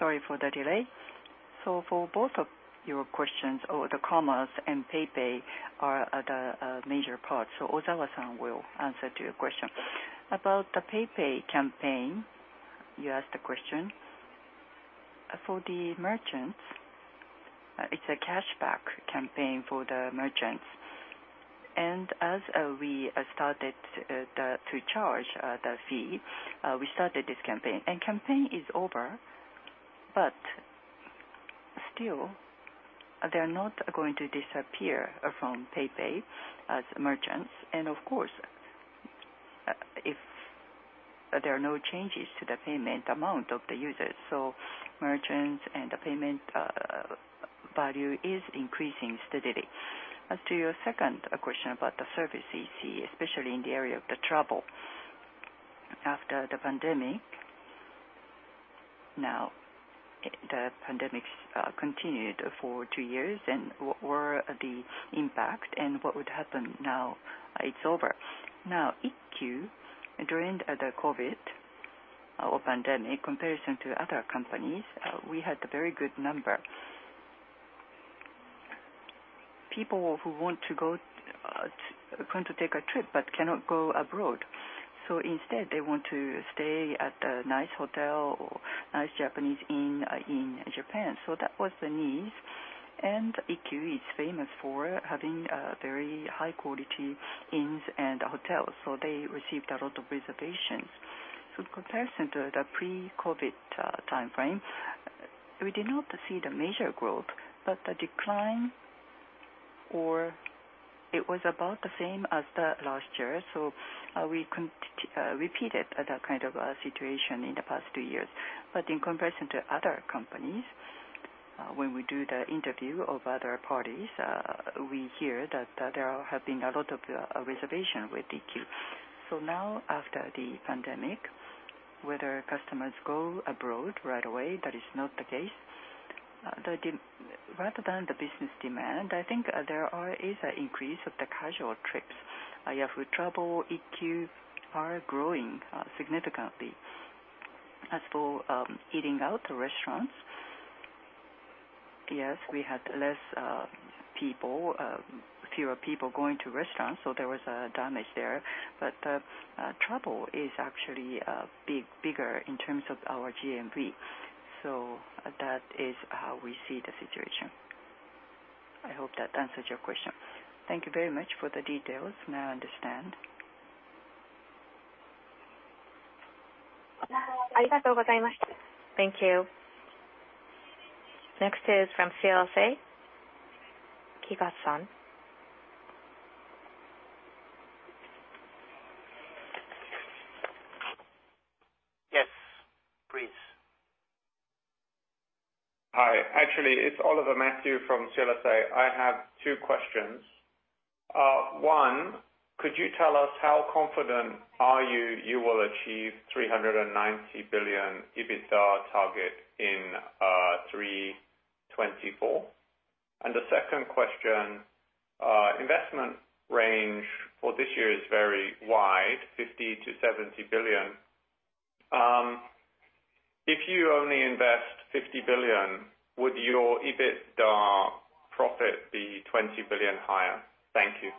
Sorry for the delay. For both of your questions, e-commerce and PayPay are the major parts. Ozawa-san will answer to your question. About the PayPay campaign, you asked a question. For the merchants, it's a cashback campaign for the merchants. As we started to charge the fee, we started this campaign. Campaign is over, but still they are not going to disappear from PayPay as merchants. Of course, if there are no changes to the payment amount of the users, so merchants and the payment value is increasing steadily. As to your second question about the service EC, especially in the area of the travel. After the pandemic continued for two years, what were the impact and what would happen now it's over. Ikyu during the COVID or pandemic, comparison to other companies, we had a very good number. People who want to take a trip but cannot go abroad, so instead they want to stay at a nice hotel or nice Japanese inn in Japan. That was the need. Ikyu is famous for having very high quality inns and hotels. They received a lot of reservations. In comparison to the pre-COVID timeframe, we did not see the major growth, but the decline, or it was about the same as the last year. We repeated that kind of situation in the past two years. In comparison to other companies, when we do the interview of other parties, we hear that there have been a lot of reservations with Ikyu. Now after the pandemic, whether customers go abroad right away, that is not the case. Rather than the business demand, I think there is an increase of the casual trips. For travel, Ikyu is growing significantly. As for eating out, restaurants, yes, we had fewer people going to restaurants, so there was damage there. Travel is actually bigger in terms of our GMV. That is how we see the situation. I hope that answers your question. Thank you very much for the details. Now I understand. Thank you. Next is from CLSA, Kiga-san. Yes, please. Hi. Actually, it's Oliver Matthew from CLSA. I have two questions. One, could you tell us how confident are you you will achieve 390 billion EBITDA target in 2024. The second question, investment range for this year is very wide, 50 billion-70 billion. If you only invest 50 billion, would your EBITDA profit be 20 billion higher? Thank you.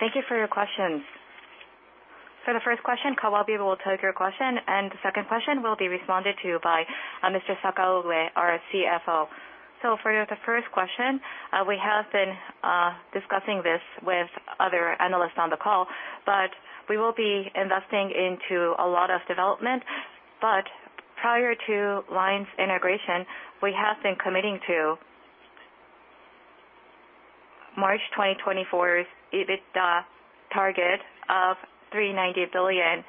Thank you for your questions. For the first question, Kawabe will take your question, and the second question will be responded to by Mr. Sakaue, our CFO. For the first question, we have been discussing this with other analysts on the call, but we will be investing into a lot of development. Prior to LINE's integration, we have been committing to March 2024's EBITDA target of 390 billion.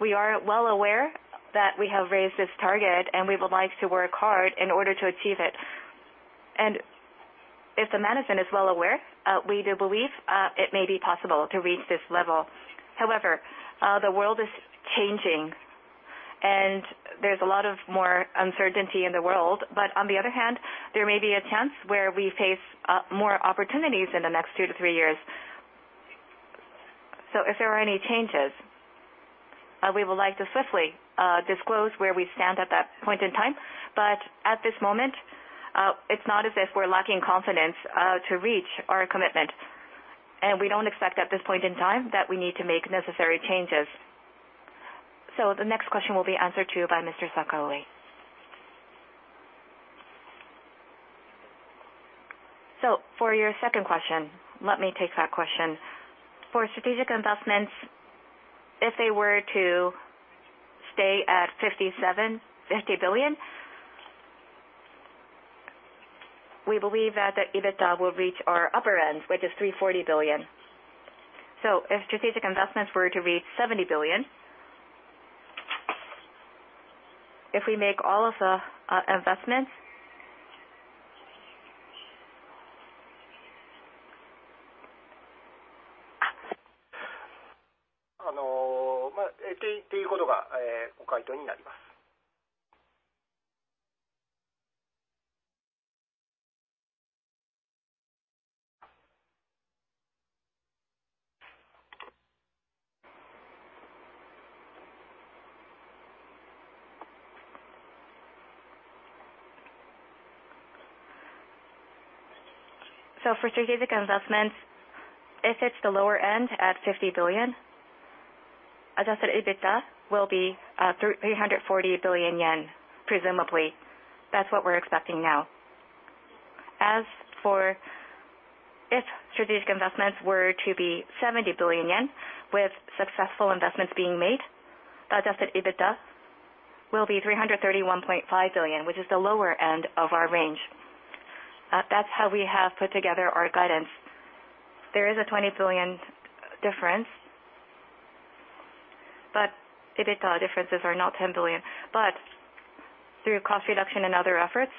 We are well aware that we have raised this target, and we would like to work hard in order to achieve it. If the management is well aware, we do believe it may be possible to reach this level. However, the world is changing and there's a lot more uncertainty in the world. On the other hand, there may be a chance where we face more opportunities in the next two to three years. If there are any changes, we would like to swiftly disclose where we stand at that point in time. At this moment, it's not as if we're lacking confidence to reach our commitment. We don't expect at this point in time that we need to make necessary changes. The next question will be answered to you by Mr. Sakaue. For your second question, let me take that question. For strategic investments, if they were to stay at JPY 57.5 billion, we believe that the EBITDA will reach our upper end, which is 340 billion. If strategic investments were to reach 70 billion, if we make all of the investments. For strategic investments, if it's the lower end at 50 billion, Adjusted EBITDA will be 340 billion yen, presumably. That's what we're expecting now. As for if strategic investments were to be 70 billion yen with successful investments being made, adjusted EBITDA will be 331.5 billion, which is the lower end of our range. That's how we have put together our guidance. There is a 20 billion difference, but EBITDA differences are now 10 billion. Through cost reduction and other efforts,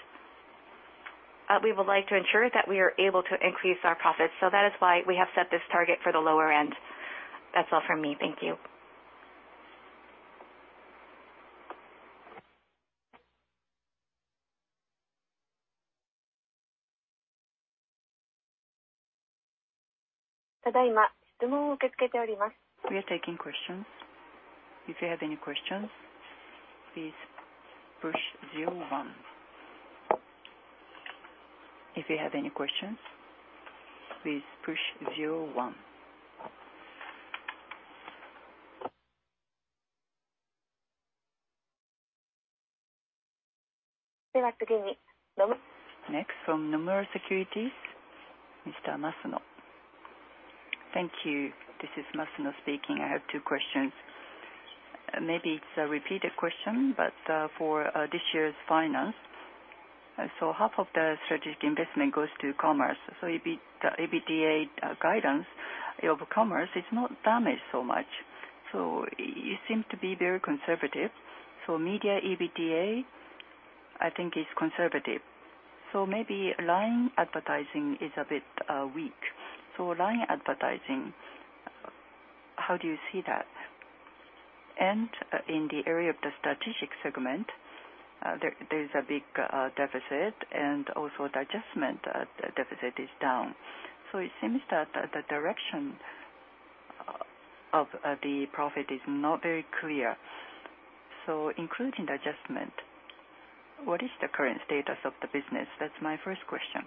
we would like to ensure that we are able to increase our profits. That is why we have set this target for the lower end. That's all from me. Thank you. We are taking questions. If you have any questions, please push zero one. Next, from Nomura Securities, Mr. Masuno. Thank you. This is Masuno speaking. I have two questions. Maybe it's a repeated question, but for this year's financials. Half of the strategic investment goes to commerce. The EBITDA guidance of commerce is not damaged so much, so it seems to be very conservative. Media EBITDA, I think is conservative. Maybe LINE advertising is a bit weak. LINE advertising, how do you see that? In the area of the strategic segment, there is a big deficit and also the adjustment deficit is down. It seems that the direction of the profit is not very clear. Including the adjustment, what is the current status of the business? That's my first question.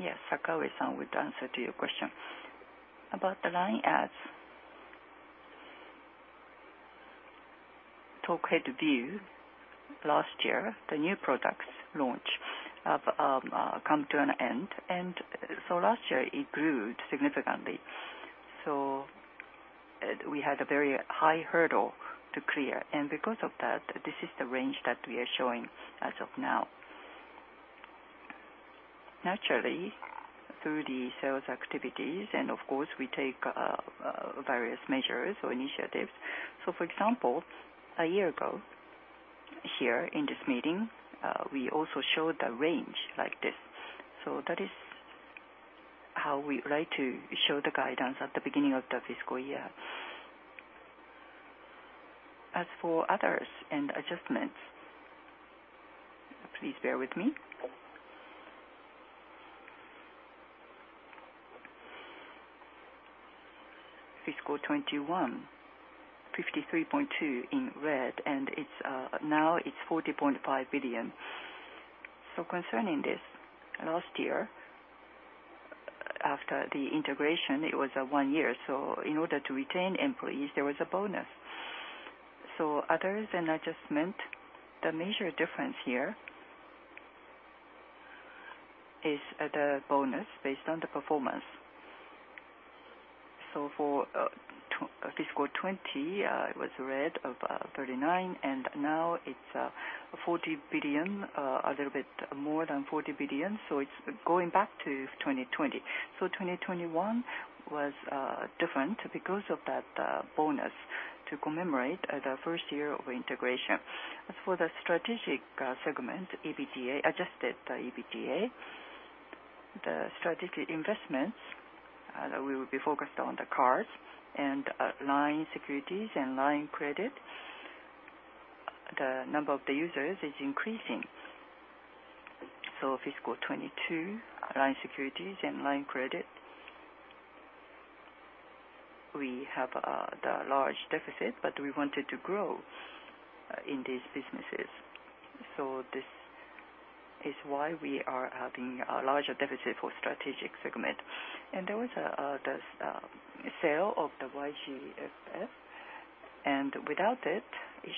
Yes, Sakaue-san will answer your question. About the LINE Ads. Talk Head View last year, the new products launch come to an end, last year it grew significantly. We had a very high hurdle to clear. Because of that, this is the range that we are showing as of now. Naturally, through the sales activities, and of course, we take various measures or initiatives. For example, a year ago, here in this meeting, we also showed a range like this. That is how we like to show the guidance at the beginning of the fiscal year. As for others and adjustments, please bear with me. Fiscal 2021, 53.2 billion in red, and it's now 40.5 billion. Concerning this, last year, after the integration, it was one year, in order to retain employees, there was a bonus. After adjustment, the major difference here is the bonus based on the performance. For fiscal 2020, it was 39 billion, and now it's 40 billion, a little bit more than 40 billion. It's going back to 2020. 2021 was different because of that bonus to commemorate the first year of integration. As for the strategic segment, EBITDA, Adjusted EBITDA, the strategic investments, we will be focused on the cards and LINE Securities and LINE Credit. The number of the users is increasing. Fiscal 2022, LINE Securities and LINE Credit, we have the large deficit, but we wanted to grow in these businesses. This is why we are having a larger deficit for strategic segment. There was this sale of the YJFX, and without it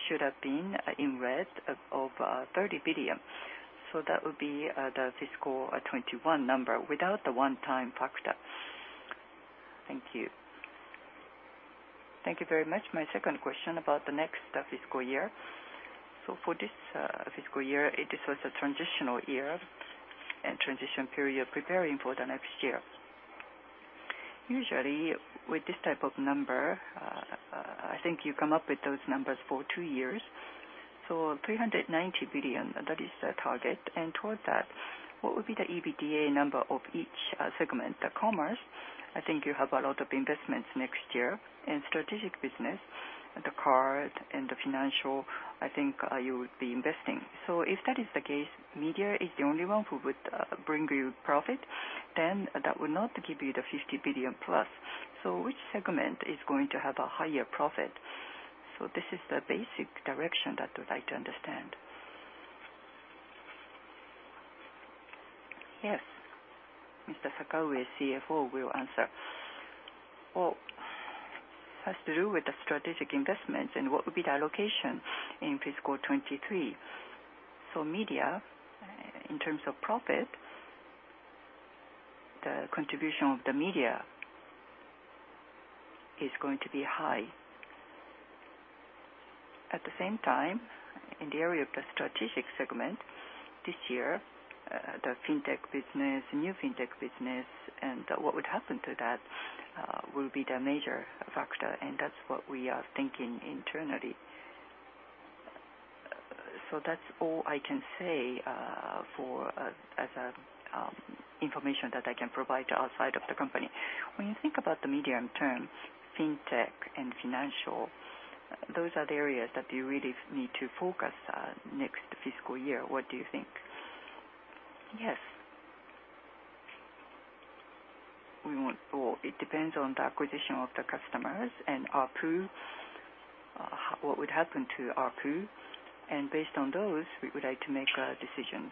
should have been in red of 30 billion. That would be the fiscal 2021 number without the one-time factor. Thank you. Thank you very much. My second question about the next fiscal year. For this fiscal year, it was a transitional year and transition period preparing for the next year. Usually, with this type of number, I think you come up with those numbers for two years. 390 billion, that is the target. Towards that, what would be the EBITDA number of each segment? The commerce, I think you have a lot of investments next year. In strategic business, the card and the financial, I think you would be investing. If that is the case, media is the only one who would bring you profit, then that would not give you the 50 billion plus. Which segment is going to have a higher profit? This is the basic direction that I would like to understand. Yes. Mr. Sakaue, CFO, will answer. Well, has to do with the strategic investments and what would be the allocation in fiscal 2023. Media, in terms of profit, the contribution of the media is going to be high. At the same time, in the area of the strategic segment, this year, the fintech business, new fintech business, and what would happen to that, will be the major factor, and that's what we are thinking internally. That's all I can say, as information that I can provide to outside of the company. When you think about the medium-term, FinTech and financial, those are the areas that you really need to focus on next fiscal year. What do you think? Yes. It depends on the acquisition of the customers and PayPay, what would happen to PayPay. Based on those, we would like to make our decisions.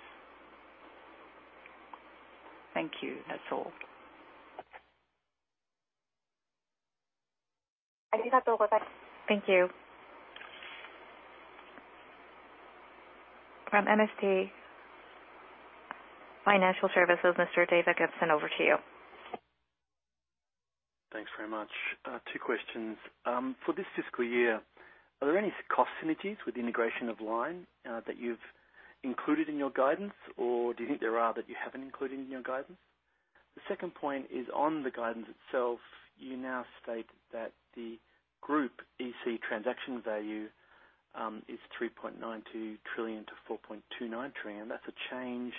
Thank you. That's all. Thank you. From MST Financial Services, Mr. David Gibson, over to you. Thanks very much. Two questions. For this fiscal year, are there any cost synergies with integration of LINE that you've included in your guidance or do you think there are that you haven't included in your guidance? The second point is on the guidance itself. You now state that the group EC transaction value is 3.92 trillion-4.29 trillion. That's a change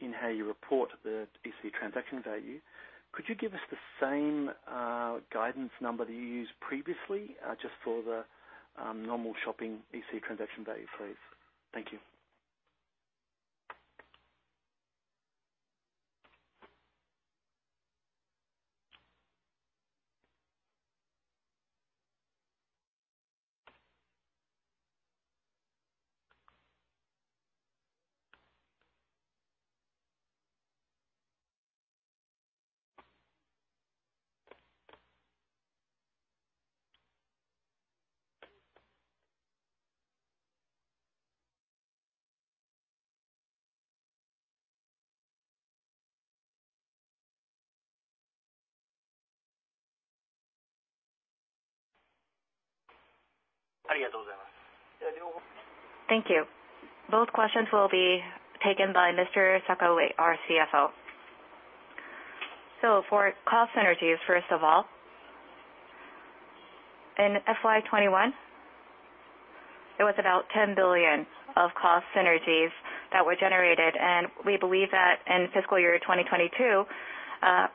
in how you report the EC transaction value. Could you give us the same guidance number that you used previously just for the normal shopping EC transaction value, please? Thank you. Thank you. Both questions will be taken by Mr. Sakaue, our CFO. For cost synergies, first of all, in FY 2021, it was about 10 billion of cost synergies that were generated, and we believe that in fiscal year 2022,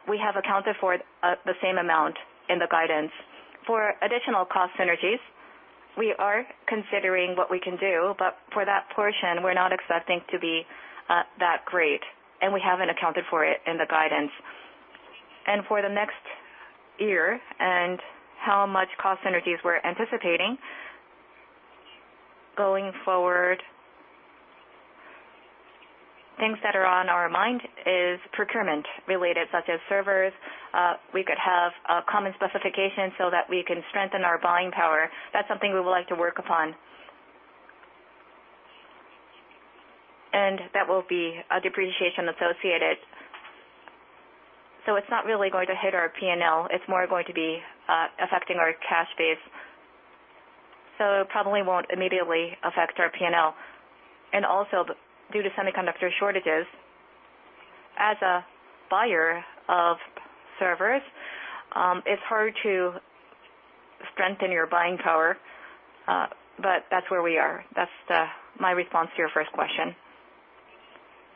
we have accounted for the same amount in the guidance. For additional cost synergies, we are considering what we can do, but for that portion, we're not expecting to be that great, and we haven't accounted for it in the guidance. For the next year and how much cost synergies we're anticipating going forward, things that are on our mind is procurement related, such as servers. We could have a common specification so that we can strengthen our buying power. That's something we would like to work upon. That will be a depreciation associated. It's not really going to hit our P&L. It's more going to be affecting our cash base. It probably won't immediately affect our P&L. Also, due to semiconductor shortages, as a buyer of servers, it's hard to strengthen your buying power, but that's where we are. That's my response to your first question.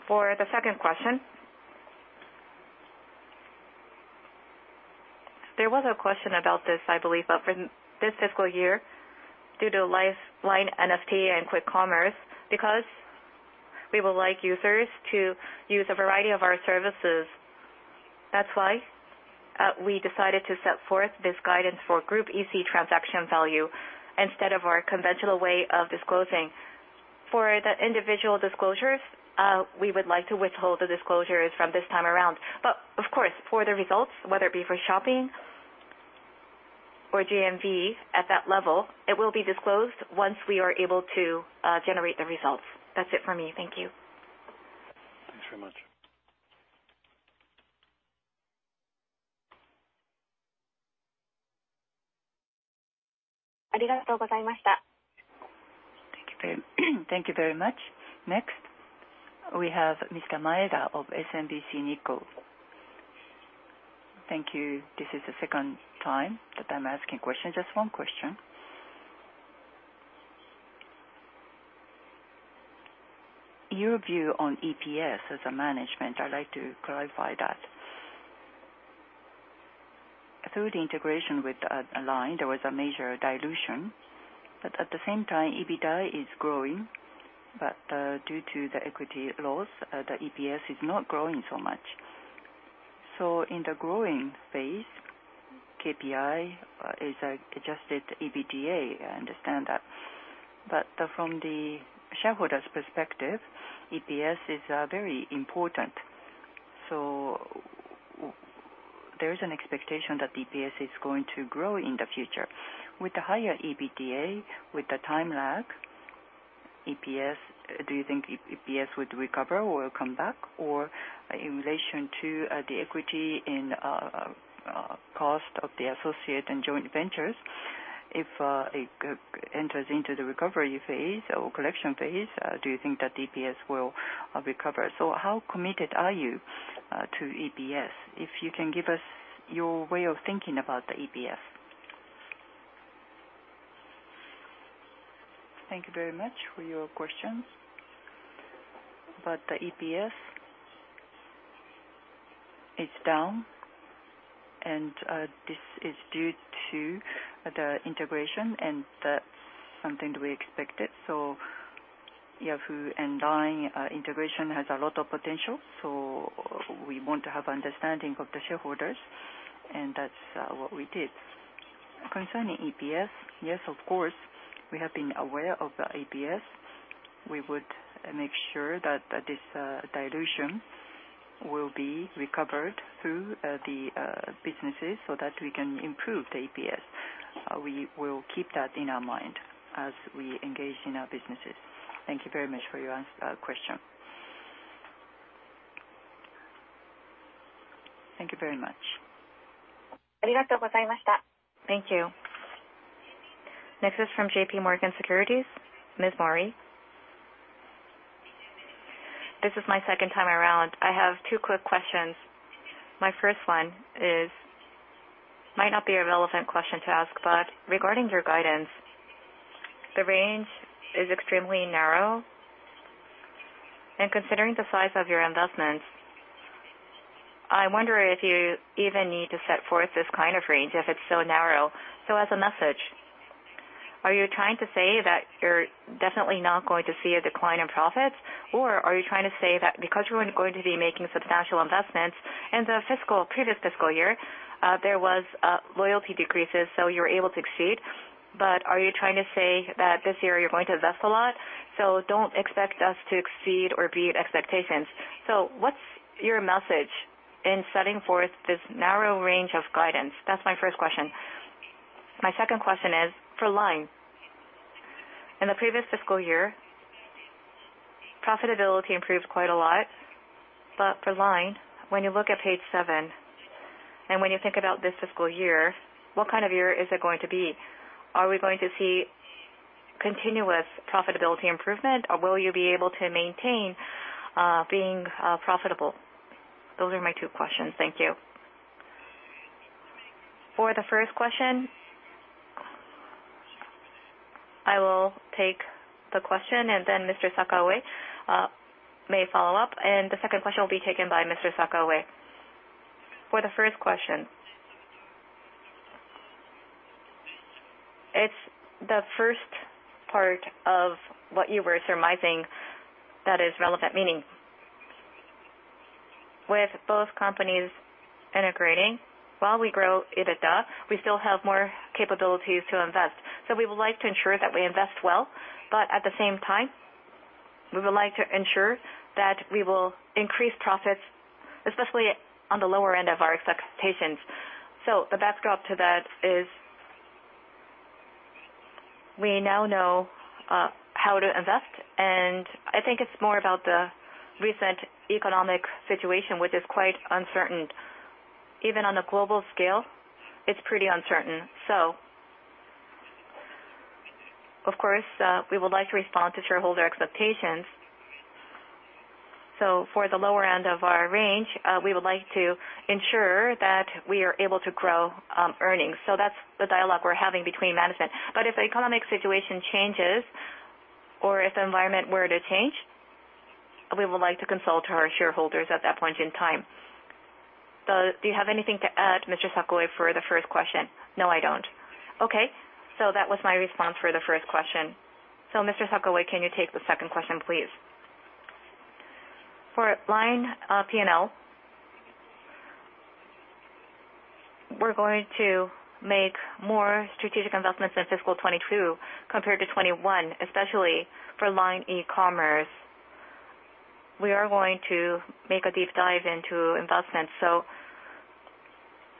For the second question. There was a question about this, I believe, but for this fiscal year, due to LINE NFT and Quick Commerce, because we would like users to use a variety of our services, that's why we decided to set forth this guidance for group EC transaction value instead of our conventional way of disclosing. For the individual disclosures, we would like to withhold the disclosures from this time around. Of course, for the results, whether it be for shopping or GMV at that level, it will be disclosed once we are able to generate the results. That's it for me. Thank you. Thanks very much. Thank you very much. Next, we have Mr. Maeda of SMBC Nikko. Thank you. This is the second time that I'm asking questions. Just one question. Your view on EPS as a management, I'd like to clarify that. Through the integration with LINE, there was a major dilution, but at the same time, EBITDA is growing, but due to the equity loss, the EPS is not growing so much. In the growing phase, KPI is adjusted EBITDA, I understand that. From the shareholders' perspective, EPS is very important. There is an expectation that EPS is going to grow in the future. With the higher EBITDA, with the time lag, EPS, do you think EPS would recover or come back? In relation to the equity in cost of the associate and joint ventures, if it enters into the recovery phase or collection phase, do you think that EPS will recover? How committed are you to EPS? If you can give us your way of thinking about the EPS. Thank you very much for your questions. The EPS is down, and this is due to the integration, and that's something we expected. Yahoo! and LINE integration has a lot of potential, so we want to have understanding of the shareholders, and that's what we did. Concerning EPS, yes, of course, we have been aware of the EPS. We would make sure that this dilution will be recovered through the businesses so that we can improve the EPS. We will keep that in our mind as we engage in our businesses. Thank you very much for your question. Thank you very much. Thank you. Next is from JPMorgan Securities, Ms. Mori. This is my second time around. I have two quick questions. My first one is, might not be a relevant question to ask, but regarding your guidance, the range is extremely narrow. Considering the size of your investments, I wonder if you even need to set forth this kind of range if it's so narrow. As a message, are you trying to say that you're definitely not going to see a decline in profits? Or are you trying to say that because you weren't going to be making substantial investments in the previous fiscal year, there was loyalty decreases, so you're able to exceed? Are you trying to say that this year you're going to invest a lot, so don't expect us to exceed or beat expectations? What's your message? In setting forth this narrow range of guidance. That's my first question. My second question is for LINE. In the previous fiscal year, profitability improved quite a lot. For LINE, when you look at page seven, and when you think about this fiscal year, what kind of year is it going to be? Are we going to see continuous profitability improvement, or will you be able to maintain being profitable? Those are my two questions. Thank you. For the first question. I will take the question and then Mr. Sakaue may follow up, and the second question will be taken by Mr. Sakaue. For the first question. It's the first part of what you were surmising that is relevant. Meaning, with both companies integrating while we grow EBITDA, we still have more capabilities to invest. We would like to ensure that we invest well. At the same time, we would like to ensure that we will increase profits, especially on the lower end of our expectations. The backdrop to that is, we now know how to invest, and I think it's more about the recent economic situation, which is quite uncertain. Even on a global scale, it's pretty uncertain. Of course, we would like to respond to shareholder expectations. For the lower end of our range, we would like to ensure that we are able to grow earnings. That's the dialogue we're having between management. If the economic situation changes or if the environment were to change, we would like to consult our shareholders at that point in time. Do you have anything to add, Mr. Sakaue, for the first question? No, I don't. Okay, that was my response for the first question. Mr. Sakaue, can you take the second question, please? For LINE, P&L, we're going to make more strategic investments in fiscal 2022 compared to 2021, especially for LINE e-commerce. We are going to make a deep dive into investments, so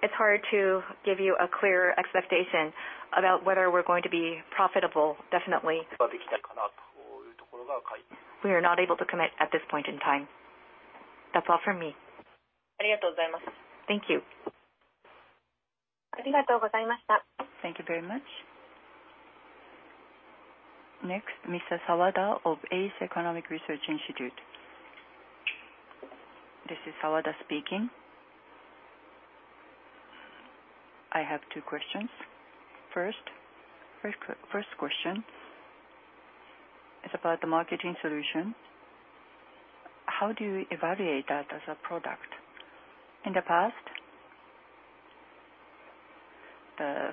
it's hard to give you a clear expectation about whether we're going to be profitable, definitely. We are not able to commit at this point in time. That's all from me. Thank you. Thank you very much. Next, Mr. Yasuda of Ace Research Institute. This is Yasuda speaking. I have two questions. First question is about the marketing solution. How do you evaluate that as a product? In the past,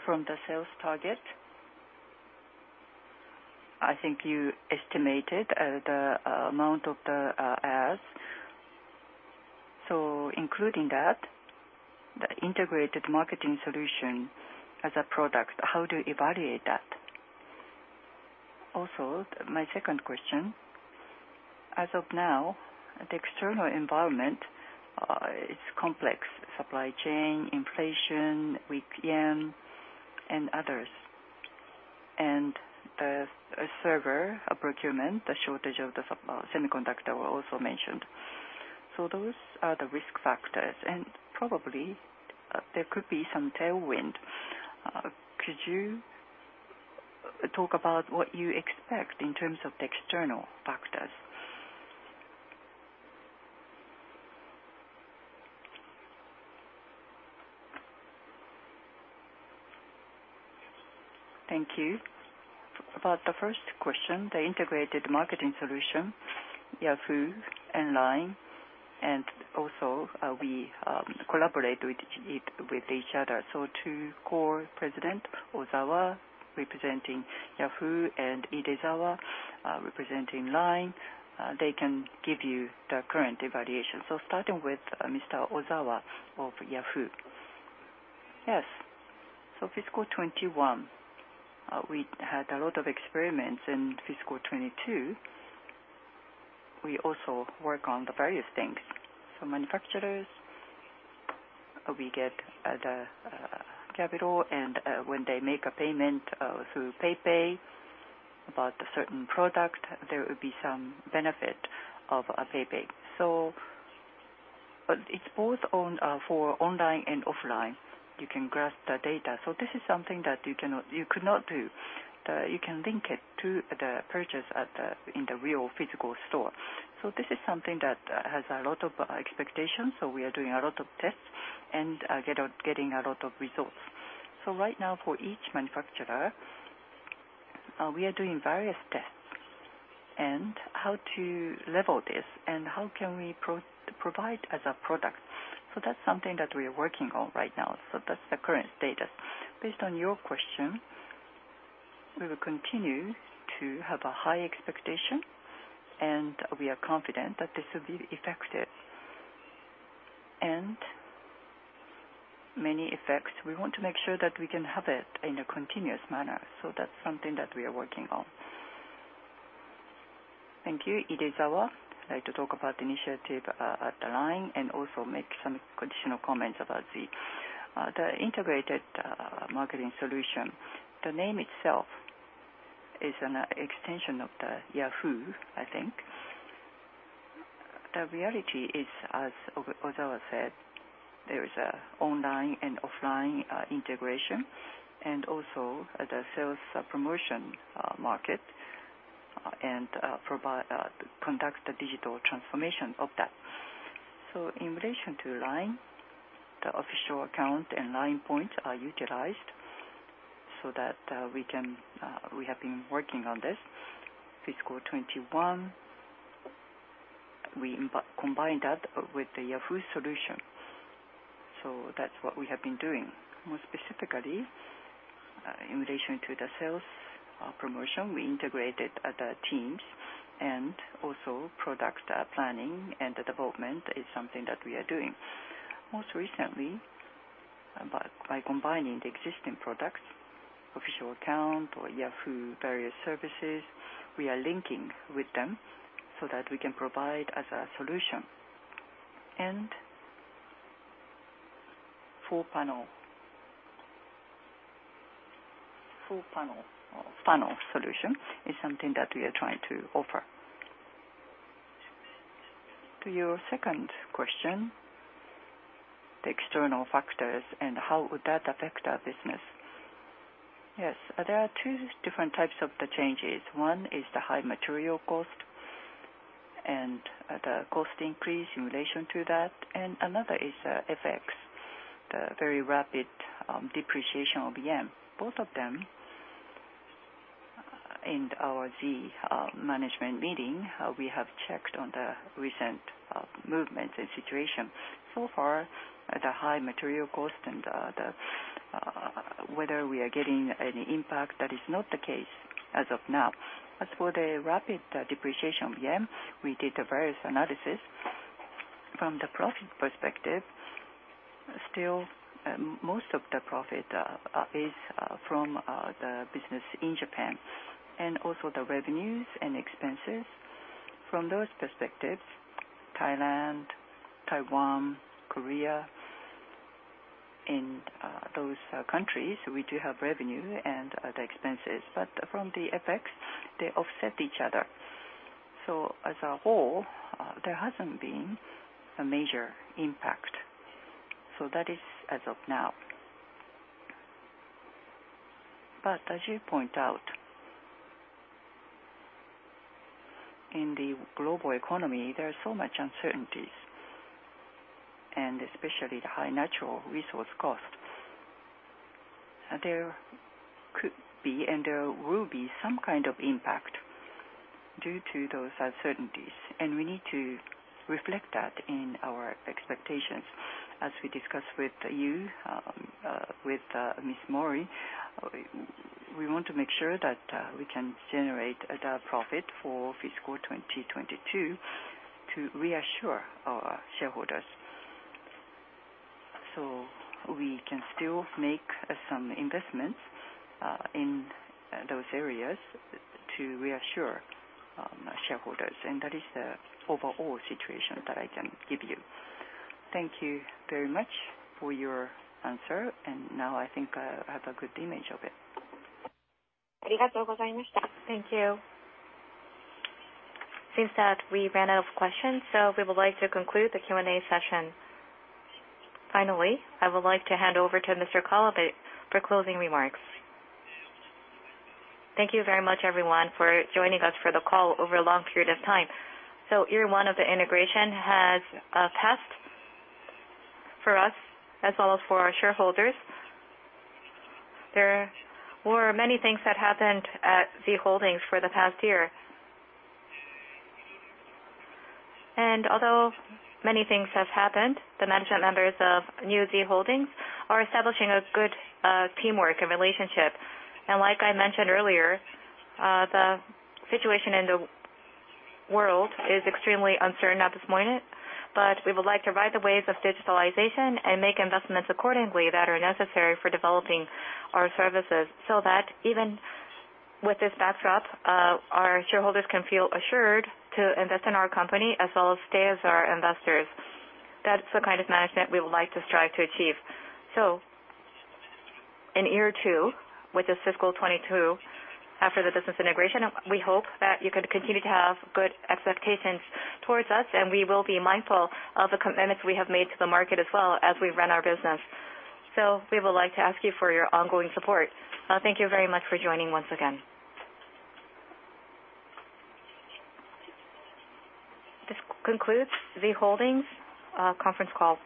from the sales target, I think you estimated the amount of the ads. So including that, the integrated marketing solution as a product, how do you evaluate that? Also, my second question: as of now, the external environment, it's complex. Supply chain, inflation, weak yen, and others. The server procurement, the shortage of the semiconductors were also mentioned. Those are the risk factors and probably there could be some tailwind. Could you talk about what you expect in terms of the external factors? Thank you. About the first question, the integrated marketing solution, Yahoo and LINE, and also, we collaborate with it, with each other. Two co-presidents, Ozawa representing Yahoo and Idesawa representing LINE, they can give you the current evaluation. Starting with Mr. Ozawa of Yahoo!. Yes. Fiscal 2021, we had a lot of experiments. In fiscal 2022, we also work on the various things. Manufacturers, we get the capital and when they make a payment through PayPay about a certain product, there will be some benefit of PayPay. But it's both online and offline. You can grasp the data. This is something that you could not do. You can link it to the purchase in the real physical store. This is something that has a lot of expectations. We are doing a lot of tests and getting a lot of results. Right now for each manufacturer, we are doing various tests and how to leverage this and how can we provide as a product. That's something that we are working on right now. That's the current status. Based on your question, we will continue to have a high expectation, and we are confident that this will be effective and many effects. We want to make sure that we can have it in a continuous manner. That's something that we are working on. Thank you. Idesawa. I'd like to talk about the initiative at the LINE, and also make some conditional comments about the integrated marketing solution. The name itself is an extension of the Yahoo, I think. The reality is, as Ozawa said, there is an online and offline integration, and also the sales promotion market, and provide conduct the digital transformation of that. In relation to LINE, the official account and LINE Points are utilized so that we can, we have been working on this fiscal 2021. We combine that with the Yahoo solution. That's what we have been doing. More specifically, in relation to the sales promotion, we integrated other teams, and also product planning and development is something that we are doing. Most recently, by combining the existing products, official account or Yahoo! various services, we are linking with them so that we can provide as a solution. Full-funnel solution is something that we are trying to offer. To your second question, the external factors and how would that affect our business. Yes. There are two different types of the changes. One is the high material cost and the cost increase in relation to that, and another is FX, the very rapid depreciation of yen. Both of them, in our Z Holdings management meeting, we have checked on the recent movements and situation. So far, the high material cost and whether we are getting any impact, that is not the case as of now. As for the rapid depreciation of yen, we did various analysis. From the profit perspective, still, most of the profit is from the business in Japan, and also the revenues and expenses. From those perspectives, Thailand, Taiwan, Korea, in those countries, we do have revenue and other expenses, but from the FX, they offset each other. As a whole, there hasn't been a major impact. That is as of now. As you point out, in the global economy, there are so much uncertainties, and especially the high natural resource costs. There could be, and there will be some kind of impact due to those uncertainties, and we need to reflect that in our expectations. As we discussed with you, with Ms. Mori, we want to make sure that we can generate the profit for fiscal 2022 to reassure our shareholders. We can still make some investments in those areas to reassure shareholders. That is the overall situation that I can give you. Thank you very much for your answer. Now I think I have a good image of it. Thank you. Since that, we ran out of questions, so we would like to conclude the Q&A session. Finally, I would like to hand over to Mr. Kawabe for closing remarks. Thank you very much everyone for joining us for the call over a long period of time. Year one of the integration has passed for us as well as for our shareholders. There were many things that happened at Z Holdings for the past year. Although many things have happened, the management members of new Z Holdings are establishing a good teamwork and relationship. Like I mentioned earlier, the situation in the world is extremely uncertain at this moment, but we would like to ride the waves of digitalization and make investments accordingly that are necessary for developing our services, so that even with this backdrop, our shareholders can feel assured to invest in our company as well as stay as our investors. That's the kind of management we would like to strive to achieve. In year two, which is fiscal 2022, after the business integration, we hope that you can continue to have good expectations towards us, and we will be mindful of the commitments we have made to the market as well as we run our business. We would like to ask you for your ongoing support. Thank you very much for joining once again. This concludes Z Holdings conference call.